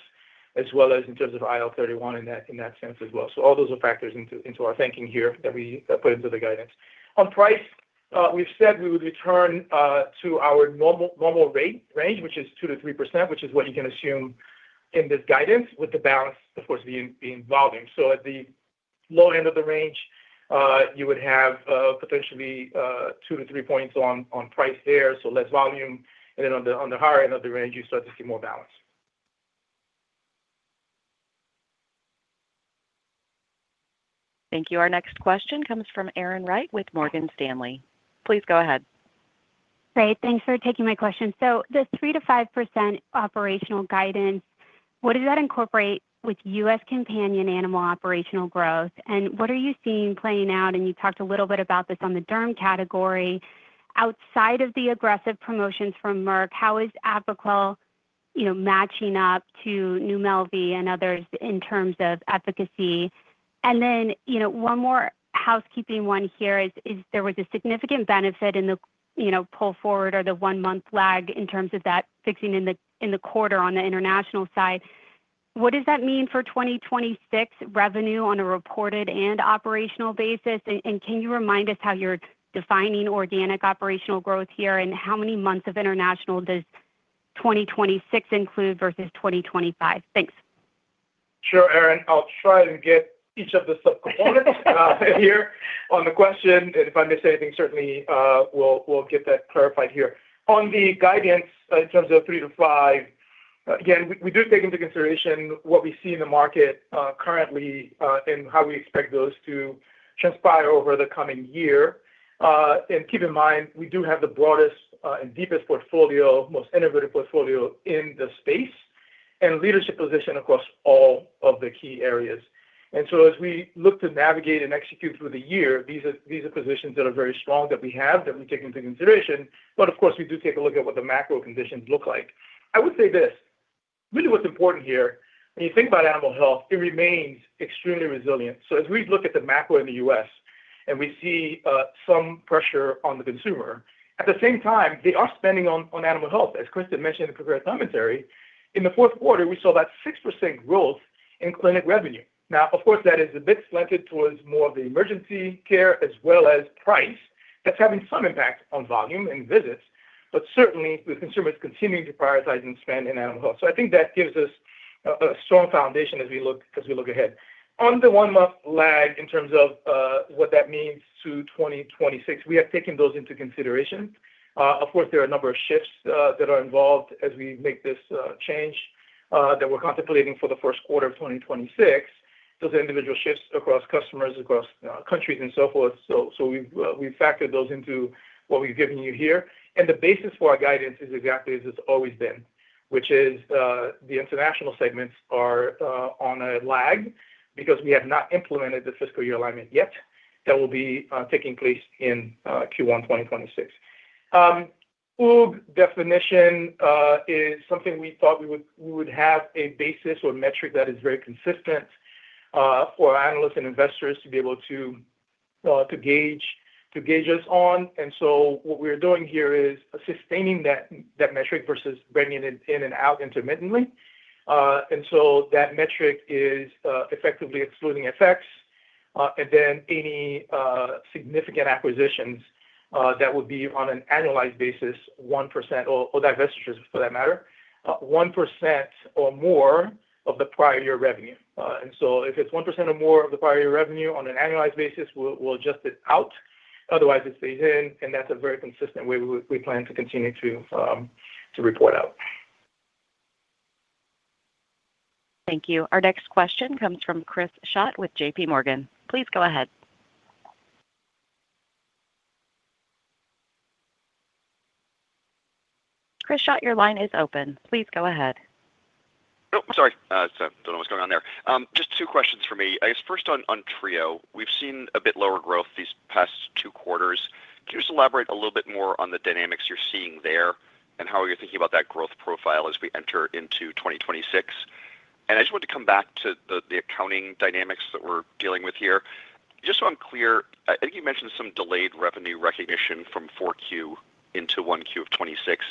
as well as in terms of IL-31 in that sense as well. So all those are factors into our thinking here that we put into the guidance. On price, we've said we would return to our normal rate range, which is 2%-3%, which is what you can assume in this guidance, with the balance, of course, being volume. So at the low end of the range, you would have, potentially, two to three points on price there, so less volume. And then on the higher end of the range, you start to see more balance. Thank you. Our next question comes from Erin Wright with Morgan Stanley. Please go ahead. Great. Thanks for taking my question. So the 3%-5% operational guidance, what does that incorporate with U.S. companion animal operational growth, and what are you seeing playing out? And you talked a little bit about this on the derm category. Outside of the aggressive promotions from Merck, how is Apoquel matching up to NuMelvi and others in terms of efficacy? And then, you know, one more housekeeping one here is, was there a significant benefit in the, you know, pull forward or the one-month lag in terms of that fixing in the, in the quarter on the international side. What does that mean for 2026 revenue on a reported and operational basis? And, and can you remind us how you're defining organic operational growth here, and how many months of international does 2026 include versus 2025? Thanks. Sure, Erin. I'll try to get each of the subcomponents here on the question, and if I miss anything, certainly we'll get that clarified here. On the guidance, in terms of three to five, again, we do take into consideration what we see in the market currently, and how we expect those to transpire over the coming year. And keep in mind, we do have the broadest and deepest portfolio, most innovative portfolio in the space, and leadership position across all of the key areas. And so as we look to navigate and execute through the year, these are positions that are very strong that we have that we take into consideration. But of course, we do take a look at what the macro conditions look like. I would say this, really what's important here, when you think about animal health, it remains extremely resilient. So as we look at the macro in the U.S., and we see, some pressure on the consumer, at the same time, they are spending on, on animal health. As Kristin mentioned in the prepared commentary, in the fourth quarter, we saw that 6% growth in clinic revenue. Now, of course, that is a bit slanted towards more of the emergency care as well as price. That's having some impact on volume and visits, but certainly, the consumer is continuing to prioritize and spend in animal health. So I think that gives us a, a strong foundation as we look, as we look ahead. On the one-month lag in terms of, what that means to 2026, we have taken those into consideration. Of course, there are a number of shifts that are involved as we make this change that we're contemplating for the first quarter of 2026. Those individual shifts across customers, across countries and so forth. So we've factored those into what we've given you here. And the basis for our guidance is exactly as it's always been, which is the international segments are on a lag because we have not implemented the fiscal year alignment yet. That will be taking place in Q1 2026. OOG definition is something we thought we would have a basis or metric that is very consistent for analysts and investors to be able to to gauge us on. And so what we're doing here is sustaining that, that metric versus bringing it in and out intermittently. And so that metric is, effectively excluding effects, and then any significant acquisitions, that would be on an annualized basis, 1%, or, or divestitures for that matter, 1% or more of the prior year revenue. And so if it's 1% or more of the prior year revenue on an annualized basis, we'll, we'll adjust it out. Otherwise, it stays in, and that's a very consistent way we, we plan to continue to, to report out. Thank you. Our next question comes from Chris Schott with JPMorgan. Please go ahead. Chris Schott, your line is open. Please go ahead. Oh, sorry. So don't know what's going on there. Just two questions for me. I guess first on, on Trio. We've seen a bit lower growth these past two quarters. Can you just elaborate a little bit more on the dynamics you're seeing there and how you're thinking about that growth profile as we enter into 2026? And I just want to come back to the, the accounting dynamics that we're dealing with here. Just so I'm clear, I, I think you mentioned some delayed revenue recognition from 4Q into 1Q of 2026.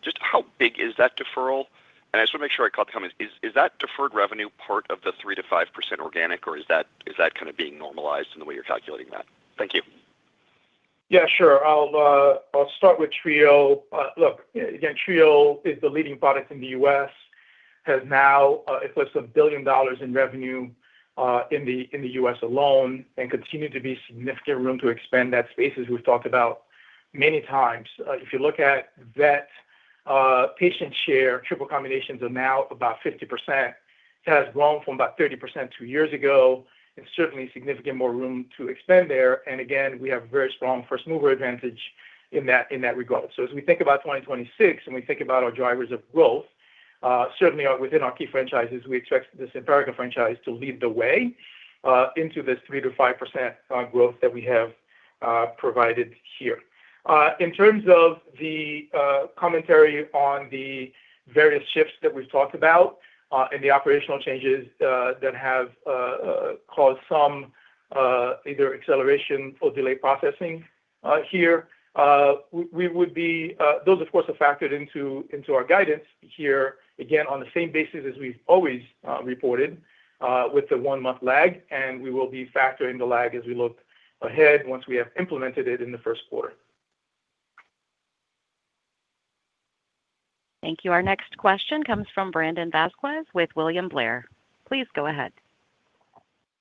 Just how big is that deferral? And I just want to make sure I caught the comment. Is, is that deferred revenue part of the 3%-5% organic, or is that, is that kind of being normalized in the way you're calculating that? Thank you. Yeah, sure. I'll, I'll start with Trio. Look, again, Trio is the leading product in the U.S., has now in place of $1 billion in revenue in the U.S. alone, and continue to be significant room to expand that space, as we've talked about many times. If you look at vet patient share, triple combinations are now about 50%. It has grown from about 30% two years ago and certainly significant more room to expand there. And again, we have a very strong first mover advantage in that regard. So as we think about 2026 and we think about our drivers of growth, certainly within our key franchises, we expect the Simparica franchise to lead the way into this 3%-5% growth that we have provided here. In terms of the commentary on the various shifts that we've talked about, and the operational changes that have caused some either acceleration or delayed processing here, we would be... Those, of course, are factored into our guidance here, again, on the same basis as we've always reported, with the one-month lag, and we will be factoring the lag as we look ahead once we have implemented it in the first quarter. Thank you. Our next question comes from Brandon Vazquez with William Blair. Please go ahead.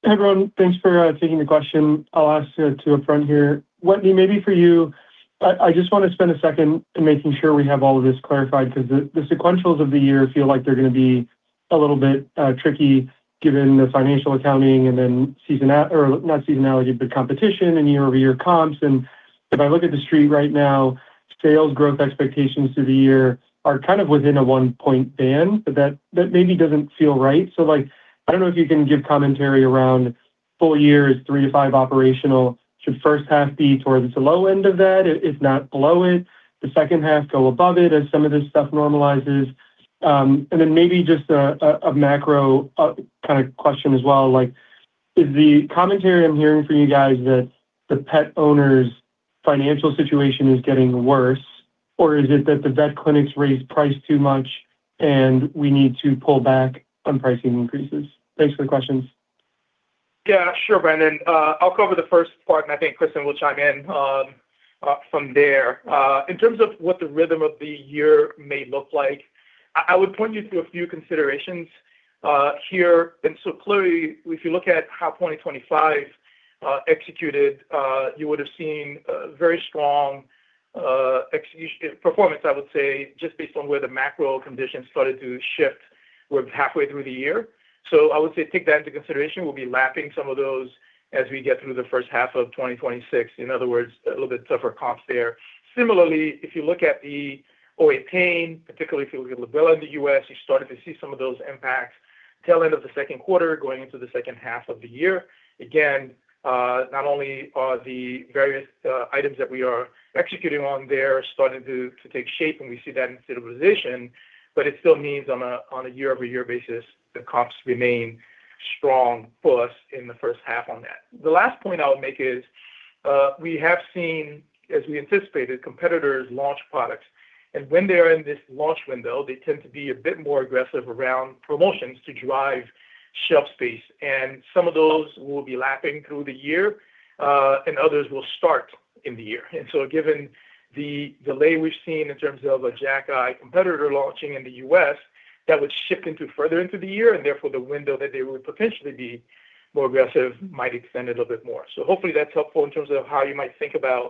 Hi, everyone. Thanks for taking the question. I'll ask to a friend here. Wetteny, maybe for you, I just want to spend a second making sure we have all of this clarified, because the sequentials of the year feel like they're going to be a little bit tricky given the financial accounting and then seasonality - or not seasonality, but competition and year-over-year comps. And if I look at the street right now, sales growth expectations through the year are kind of within a 1-point band, but that maybe doesn't feel right. So, like, I don't know if you can give commentary around full years, three to five operational. Should first half be towards the low end of that, if not below it? The second half go above it as some of this stuff normalizes? And then maybe just a macro kind of question as well, like, is the commentary I'm hearing for you guys that the pet owners' financial situation is getting worse, or is it that the vet clinics raised price too much and we need to pull back on pricing increases? Thanks for the questions. Yeah, sure, Brandon. I'll cover the first part, and I think Kristin will chime in from there. In terms of what the rhythm of the year may look like, I would point you to a few considerations here. And so clearly, if you look at how 2025 executed, you would have seen a very strong execution performance, I would say, just based on where the macro conditions started to shift midway through the year. So I would say take that into consideration. We'll be lapping some of those as we get through the first half of 2026. In other words, a little bit tougher comps there. Similarly, if you look at the OA pain, particularly if you look at Librela in the U.S., you started to see some of those impacts till end of the second quarter, going into the second half of the year. Again, not only are the various items that we are executing on there starting to, to take shape, and we see that in stabilization, but it still means on a, on a year-over-year basis, the comps remain strong for us in the first half on that. The last point I would make is, we have seen, as we anticipated, competitors launch products, and when they're in this launch window, they tend to be a bit more aggressive around promotions to drive shelf space, and some of those will be lapping through the year, and others will start in the year. And so given the delay we've seen in terms of a JAK competitor launching in the U.S., that would shift into further into the year, and therefore, the window that they would potentially be more aggressive might extend a little bit more. So hopefully, that's helpful in terms of how you might think about...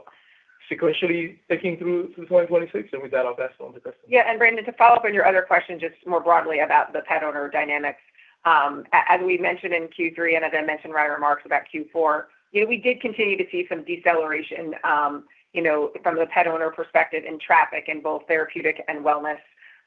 sequentially taking through to 2026, and we've got our best on the customer. Yeah, and Brandon, to follow up on your other question, just more broadly about the pet owner dynamics. As we mentioned in Q3, and as I mentioned in my remarks about Q4, you know, we did continue to see some deceleration, you know, from the pet owner perspective in traffic in both therapeutic and wellness.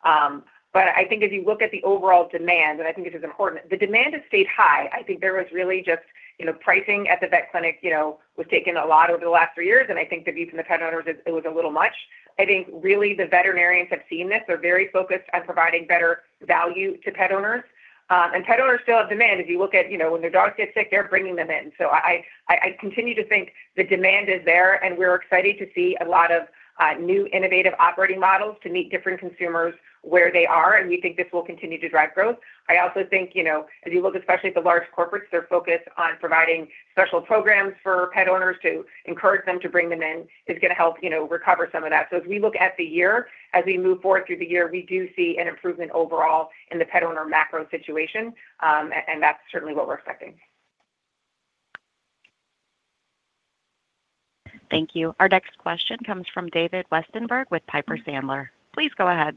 But I think if you look at the overall demand, and I think this is important, the demand has stayed high. I think there was really just, you know, pricing at the vet clinic, you know, was taken a lot over the last three years, and I think the view from the pet owners, it was a little much. I think really the veterinarians have seen this. They're very focused on providing better value to pet owners. And pet owners still have demand. If you look at, you know, when their dogs get sick, they're bringing them in. So I continue to think the demand is there, and we're excited to see a lot of new innovative operating models to meet different consumers where they are, and we think this will continue to drive growth. I also think, you know, as you look especially at the large corporates, they're focused on providing special programs for pet owners to encourage them to bring them in. It's going to help, you know, recover some of that. So as we look at the year, as we move forward through the year, we do see an improvement overall in the pet owner macro situation, and that's certainly what we're expecting. Thank you. Our next question comes from David Westenberg with Piper Sandler. Please go ahead.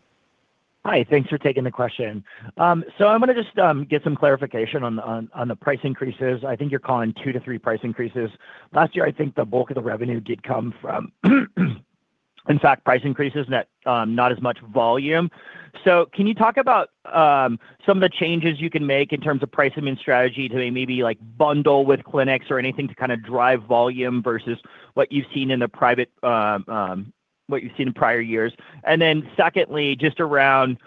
Hi. Thanks for taking the question. So I'm gonna just get some clarification on the price increases. I think you're calling two to three price increases. Last year, I think the bulk of the revenue did come from, in fact, price increases, net, not as much volume. So can you talk about some of the changes you can make in terms of pricing and strategy to maybe, like, bundle with clinics or anything to kind of drive volume versus what you've seen in the private, what you've seen in prior years? And then secondly, just around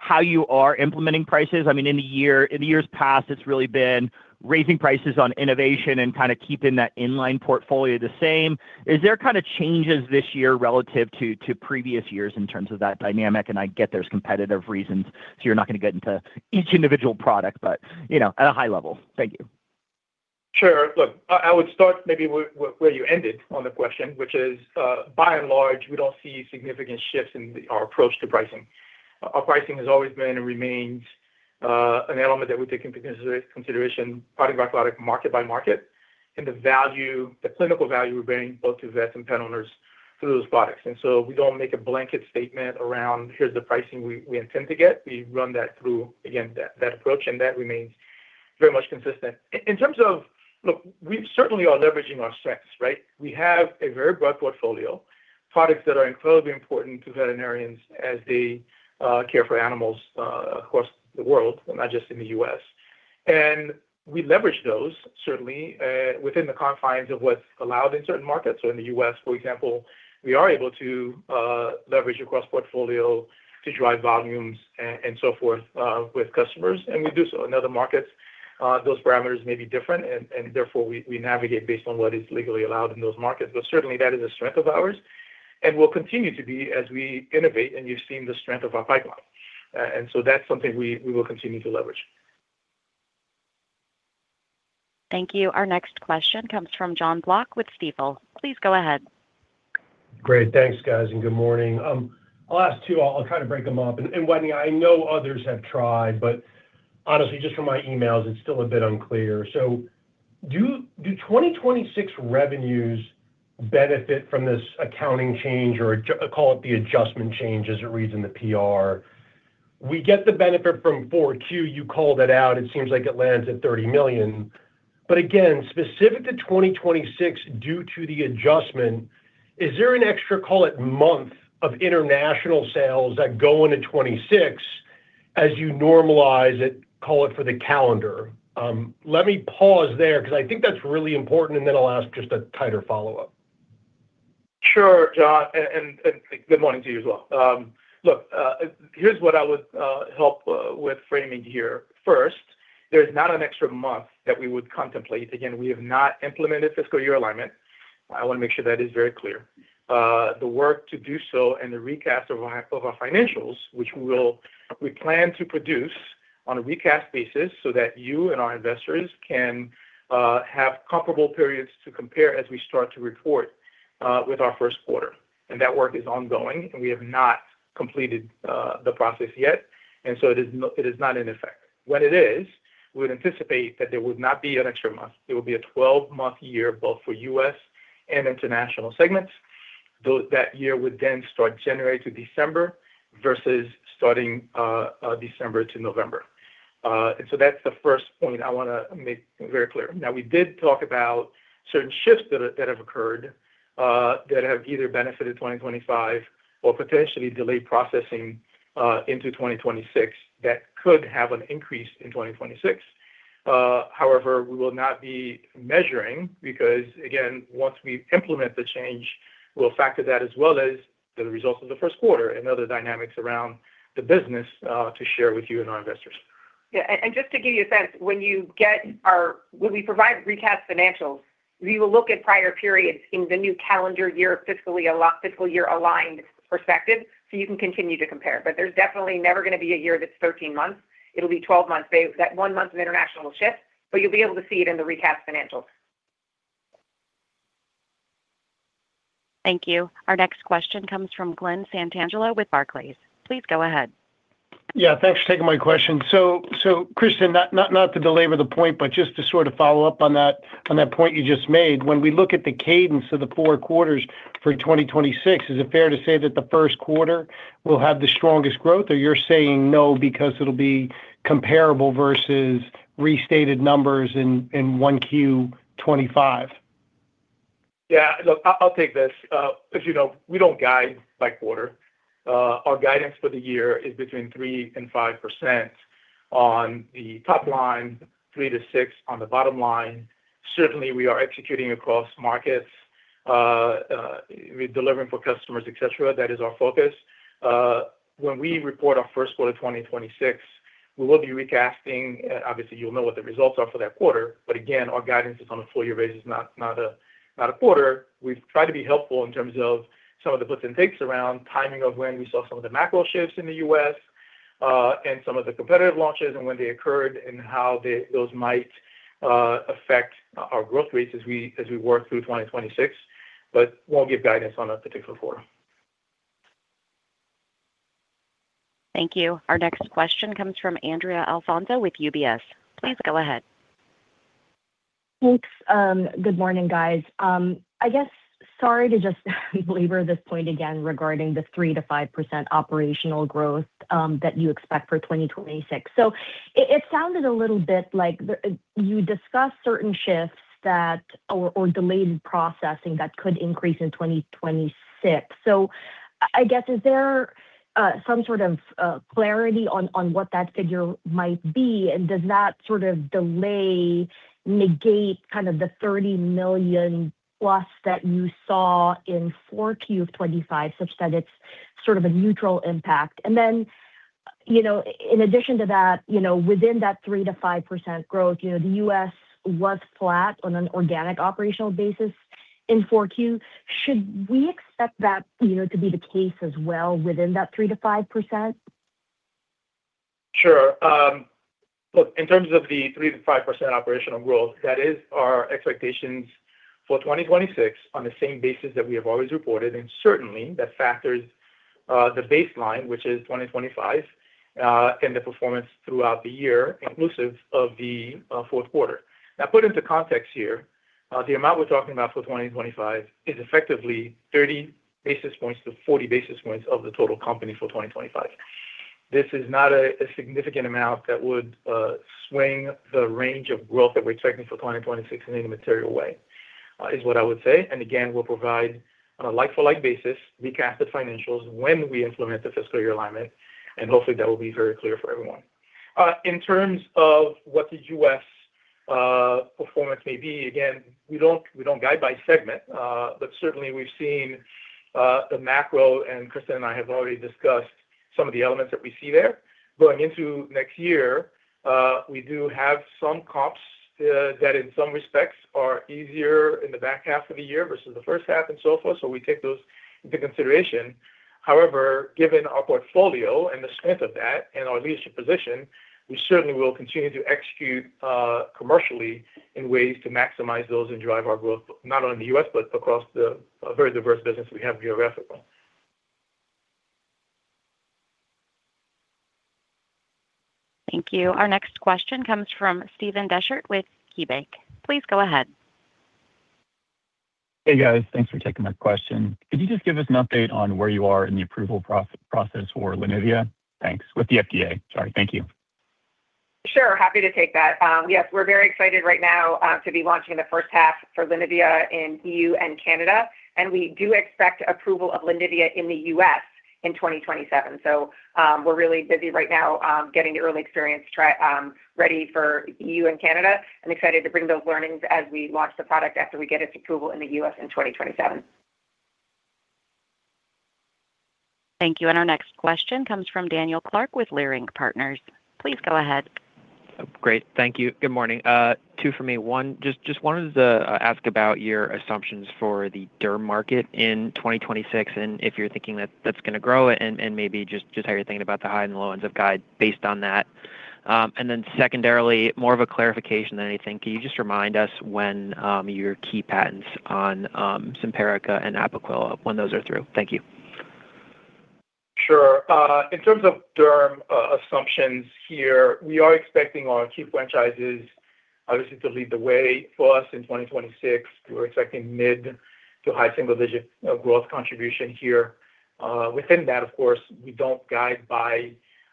how you are implementing prices. I mean, in the years past, it's really been raising prices on innovation and kinda keeping that in-line portfolio the same. Is there kind of changes this year relative to previous years in terms of that dynamic? And I get there's competitive reasons, so you're not going to get into each individual product, but, you know, at a high level. Thank you. Sure. Look, I would start maybe where you ended on the question, which is, by and large, we don't see significant shifts in our approach to pricing. Our pricing has always been and remains an element that we take into consideration, product by product, market by market, and the value, the clinical value we're bringing both to vets and pet owners through those products. And so we don't make a blanket statement around, here's the pricing we intend to get. We run that through, again, that approach, and that remains very much consistent. In terms of ... Look, we certainly are leveraging our strengths, right? We have a very broad portfolio, products that are incredibly important to veterinarians as they care for animals across the world, not just in the U.S. We leverage those, certainly, within the confines of what's allowed in certain markets. In the U.S., for example, we are able to leverage across portfolio to drive volumes and so forth, with customers, and we do so. In other markets, those parameters may be different and therefore we navigate based on what is legally allowed in those markets. Certainly, that is a strength of ours and will continue to be as we innovate, and you've seen the strength of our pipeline. So that's something we will continue to leverage. Thank you. Our next question comes from Jon Block with Stifel. Please go ahead. Great. Thanks, guys, and good morning. I'll ask two. I'll try to break them up and, and Wetteny, I know others have tried, but honestly, just from my emails, it's still a bit unclear. So do 2026 revenues benefit from this accounting change, or call it the adjustment change, as it reads in the PR? We get the benefit from Q4. You called it out. It seems like it lands at $30 million. But again, specific to 2026, due to the adjustment, is there an extra, call it, month of international sales that go into 2026 as you normalize it, call it for the calendar? Let me pause there because I think that's really important, and then I'll ask just a tighter follow-up. Sure, John, and good morning to you as well. Look, here's what I would help with framing here. First, there's not an extra month that we would contemplate. Again, we have not implemented fiscal year alignment. I want to make sure that is very clear. The work to do so and the recast of our, of our financials, which we will, we plan to produce on a recast basis so that you and our investors can have comparable periods to compare as we start to report with our first quarter. And that work is ongoing, and we have not completed the process yet, and so it is not, it is not in effect. What it is, we'd anticipate that there would not be an extra month. There will be a 12-month year, both for U.S. and international segments. Though that year would then start January to December versus starting December to November. And so that's the first point I want to make very clear. Now, we did talk about certain shifts that have occurred that have either benefited 2025 or potentially delayed processing into 2026. That could have an increase in 2026. However, we will not be measuring, because, again, once we implement the change, we'll factor that as well as the results of the first quarter and other dynamics around the business to share with you and our investors. Yeah, and just to give you a sense, when we provide recast financials, we will look at prior periods in the new calendar year, fiscal year aligned perspective, so you can continue to compare. But there's definitely never gonna be a year that's 13 months. It'll be 12 months. But that one month of international will shift, but you'll be able to see it in the recast financials. Thank you. Our next question comes from Glenn Santangelo with Barclays. Please go ahead. ... Yeah, thanks for taking my question. So, Kristin, not to belabor the point, but just to sort of follow up on that point you just made. When we look at the cadence of the four quarters for 2026, is it fair to say that the first quarter will have the strongest growth, or you're saying no because it'll be comparable versus restated numbers in 1Q 2025? Yeah, look, I'll take this. As you know, we don't guide by quarter. Our guidance for the year is between 3% and 5% on the top line, 3%-6% on the bottom line. Certainly, we are executing across markets, we're delivering for customers, et cetera. That is our focus. When we report our first quarter of 2026, we will be recasting. Obviously, you'll know what the results are for that quarter, but again, our guidance is on a full year basis, not a quarter. We've tried to be helpful in terms of some of the puts and takes around timing of when we saw some of the macro shifts in the U.S., and some of the competitive launches and when they occurred and how they... Those might affect our growth rates as we work through 2026, but won't give guidance on a particular quarter. Thank you. Our next question comes from Andrew Alfonso with UBS. Please go ahead. Thanks. Good morning, guys. I guess sorry to just belabor this point again regarding the 3%-5% operational growth that you expect for 2026. So it sounded a little bit like the you discussed certain shifts or delayed processing that could increase in 2026. So I guess, is there some sort of clarity on what that figure might be? And does that sort of delay negate kind of the $30 million plus that you saw in 4Q of 2025, such that it's sort of a neutral impact? And then, you know, in addition to that, you know, within that 3%-5% growth, you know, the U.S. was flat on an organic operational basis in 4Q. Should we expect that, you know, to be the case as well within that 3%-5%? Sure. Look, in terms of the 3%-5% operational growth, that is our expectations for 2026 on the same basis that we have always reported, and certainly that factors the baseline, which is 2025, and the performance throughout the year, inclusive of the fourth quarter. Now, put into context here, the amount we're talking about for 2025 is effectively 30 basis points-40 basis points of the total company for 2025. This is not a significant amount that would swing the range of growth that we're expecting for 2026 in any material way, is what I would say. And again, we'll provide on a like-for-like basis, recasted financials when we implement the fiscal year alignment, and hopefully that will be very clear for everyone. In terms of what the U.S. performance may be, again, we don't, we don't guide by segment, but certainly we've seen the macro, and Kristin and I have already discussed some of the elements that we see there. Going into next year, we do have some comps that in some respects are easier in the back half of the year versus the first half and so forth. So we take those into consideration. However, given our portfolio and the strength of that and our leadership position, we certainly will continue to execute commercially in ways to maximize those and drive our growth, not only in the U.S., but across the very diverse business we have geographically. Thank you. Our next question comes from Steven Deschert with KeyBanc. Please go ahead. Hey, guys. Thanks for taking my question. Could you just give us an update on where you are in the approval process for Lenivia? Thanks. With the FDA, sorry. Thank you. Sure, happy to take that. Yes, we're very excited right now to be launching in the first half for Lenivia in EU and Canada, and we do expect approval of Lenivia in the U.S. in 2027. So, we're really busy right now getting the early experience trial ready for EU and Canada, and excited to bring those learnings as we launch the product after we get its approval in the U.S. in 2027. Thank you. And our next question comes from Daniel Clark with Leerink Partners. Please go ahead. Great. Thank you. Good morning. Two for me. One, just wanted to ask about your assumptions for the derm market in 2026, and if you're thinking that that's going to grow and maybe just how you're thinking about the high and the low ends of guide based on that. And then secondarily, more of a clarification than anything. Can you just remind us when your key patents on Simparica and Apoquel, when those are through? Thank you. Sure. In terms of derm, assumptions here, we are expecting our key franchises, obviously, to lead the way for us in 2026. We're expecting mid- to high-single-digit growth contribution here. Within that, of course, we don't guide by,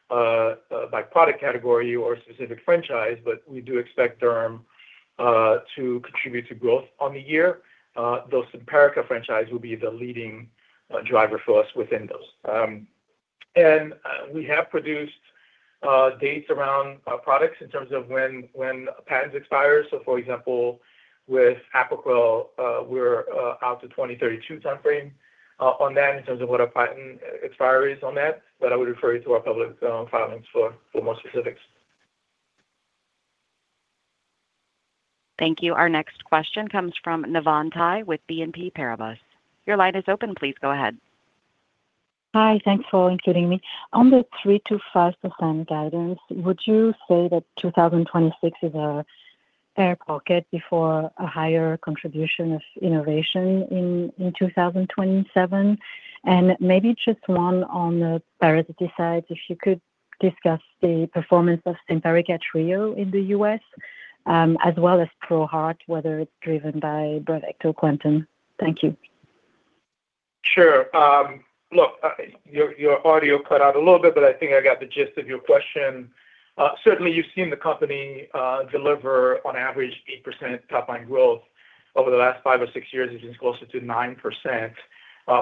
by product category or specific franchise, but we do expect derm, to contribute to growth on the year. The Simparica franchise will be the leading, driver for us within those. And, we have produced, dates around our products in terms of when, when patents expire. So for example, with Apoquel, we're, out to 2032 timeframe, on that in terms of what our patent expiry is on that, but I would refer you to our public, filings for, for more specifics. Thank you. Our next question comes from Navann Ty with BNP Paribas. Your line is open. Please go ahead. Hi, thanks for including me. On the 3%-5% guidance, would you say that 2026 is a- ...air pocket before a higher contribution of innovation in 2027? And maybe just one on the parasiticide, if you could discuss the performance of Simparica Trio in the U.S., as well as ProHeart, whether it's driven by broad ecto quantum. Thank you. Sure. Look, your, your audio cut out a little bit, but I think I got the gist of your question. Certainly, you've seen the company, deliver on average, 8% top-line growth over the last five or six years, which is closer to 9%.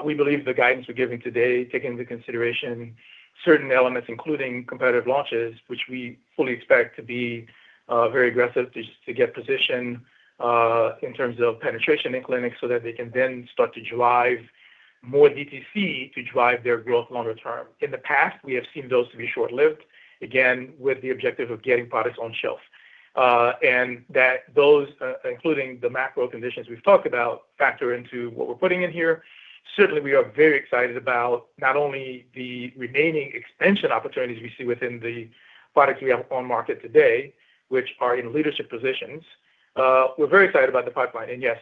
We believe the guidance we're giving today, take into consideration certain elements, including competitive launches, which we fully expect to be, very aggressive to, to get positioned, in terms of penetration in clinics, so that they can then start to drive more DTC to drive their growth longer term. In the past, we have seen those to be short-lived, again, with the objective of getting products on shelf. And that those, including the macro conditions we've talked about, factor into what we're putting in here. Certainly, we are very excited about not only the remaining expansion opportunities we see within the products we have on market today, which are in leadership positions. We're very excited about the pipeline, and yes,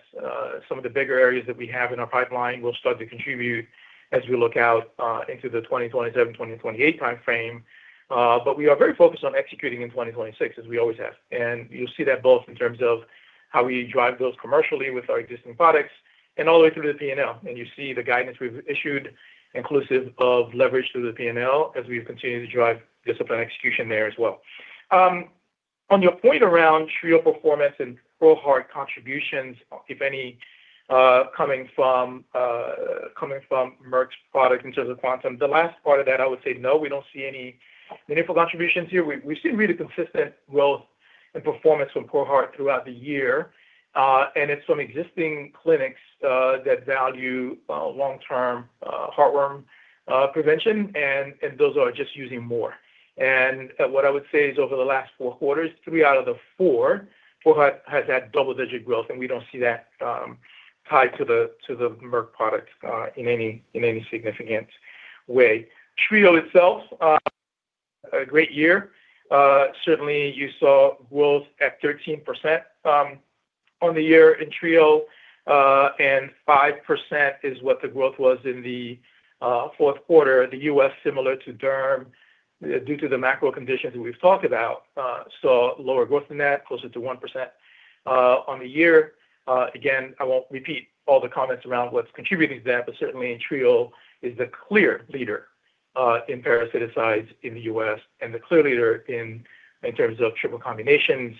some of the bigger areas that we have in our pipeline will start to contribute as we look out into the 2027, 2028 time frame. But we are very focused on executing in 2026, as we always have. And you'll see that both in terms of how we drive those commercially with our existing products and all the way through the P&L. And you see the guidance we've issued, inclusive of leverage through the P&L as we continue to drive disciplined execution there as well. On your point around Trio performance and ProHeart contributions, if any, coming from Merck's product in terms of Quantum. The last part of that, I would say, no, we don't see any meaningful contributions here. We've seen really consistent growth and performance from ProHeart throughout the year, and it's from existing clinics that value long-term heartworm prevention, and those are just using more. And what I would say is over the last four quarters, three out of the four, ProHeart has had double-digit growth, and we don't see that tied to the Merck products in any significant way. Trio itself, a great year. Certainly, you saw growth at 13% on the year in Trio, and 5% is what the growth was in the fourth quarter. The U.S., similar to Derm, due to the macro conditions that we've talked about, saw lower growth than that, closer to 1%, on the year. Again, I won't repeat all the comments around what's contributing to that, but certainly in Trio is the clear leader, in parasiticides in the U.S. and the clear leader in, in terms of triple combinations.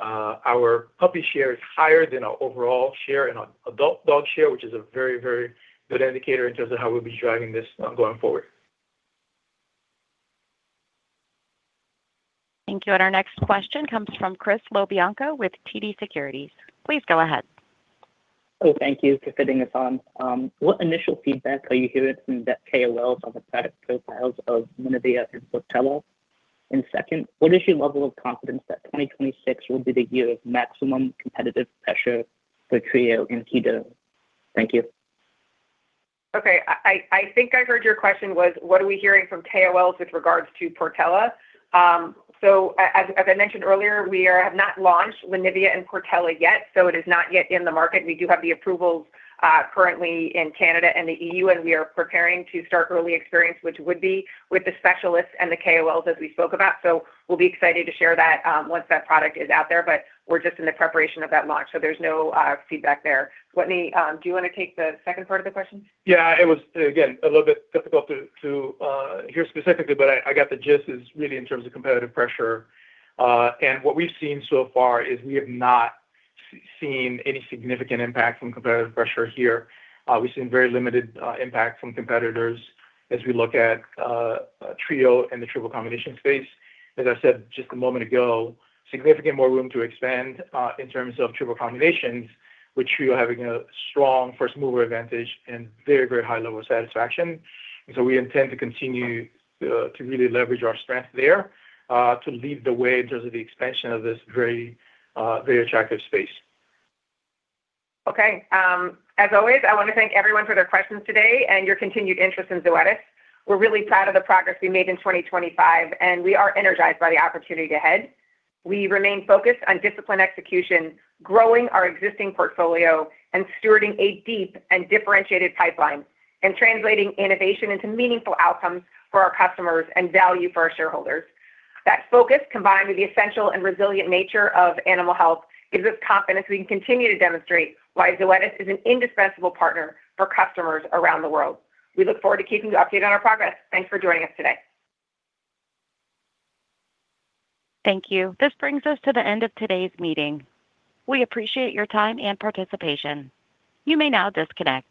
Our puppy share is higher than our overall share in our adult dog share, which is a very, very good indicator in terms of how we'll be driving this, going forward. Thank you. Our next question comes from Chris LoBianco with TD Securities. Please go ahead. Oh, thank you for fitting us on. What initial feedback are you hearing from the KOLs on the product profiles of Lenivia and Portela? And second, what is your level of confidence that 2026 will be the year of maximum competitive pressure for Trio and Keda? Thank you. Okay, I think I heard your question was, what are we hearing from KOLs with regards to Portela? So as I mentioned earlier, we have not launched Lenivia and Portela yet, so it is not yet in the market. We do have the approvals currently in Canada and the EU, and we are preparing to start early experience, which would be with the specialists and the KOLs as we spoke about. So we'll be excited to share that once that product is out there, but we're just in the preparation of that launch, so there's no feedback there. Whitney, do you want to take the second part of the question? Yeah, it was, again, a little bit difficult to hear specifically, but I got the gist is really in terms of competitive pressure. And what we've seen so far is we have not seen any significant impact from competitive pressure here. We've seen very limited impact from competitors as we look at Trio and the triple combination space. As I said, just a moment ago, significant more room to expand in terms of triple combinations, which we are having a strong first-mover advantage and very, very high level of satisfaction. And so we intend to continue to really leverage our strength there to lead the way in terms of the expansion of this very, very attractive space. Okay. As always, I want to thank everyone for their questions today and your continued interest in Zoetis. We're really proud of the progress we made in 2025, and we are energized by the opportunity ahead. We remain focused on disciplined execution, growing our existing portfolio, and stewarding a deep and differentiated pipeline, and translating innovation into meaningful outcomes for our customers and value for our shareholders. That focus, combined with the essential and resilient nature of animal health, gives us confidence we can continue to demonstrate why Zoetis is an indispensable partner for customers around the world. We look forward to keeping you updated on our progress. Thanks for joining us today. Thank you. This brings us to the end of today's meeting. We appreciate your time and participation. You may now disconnect.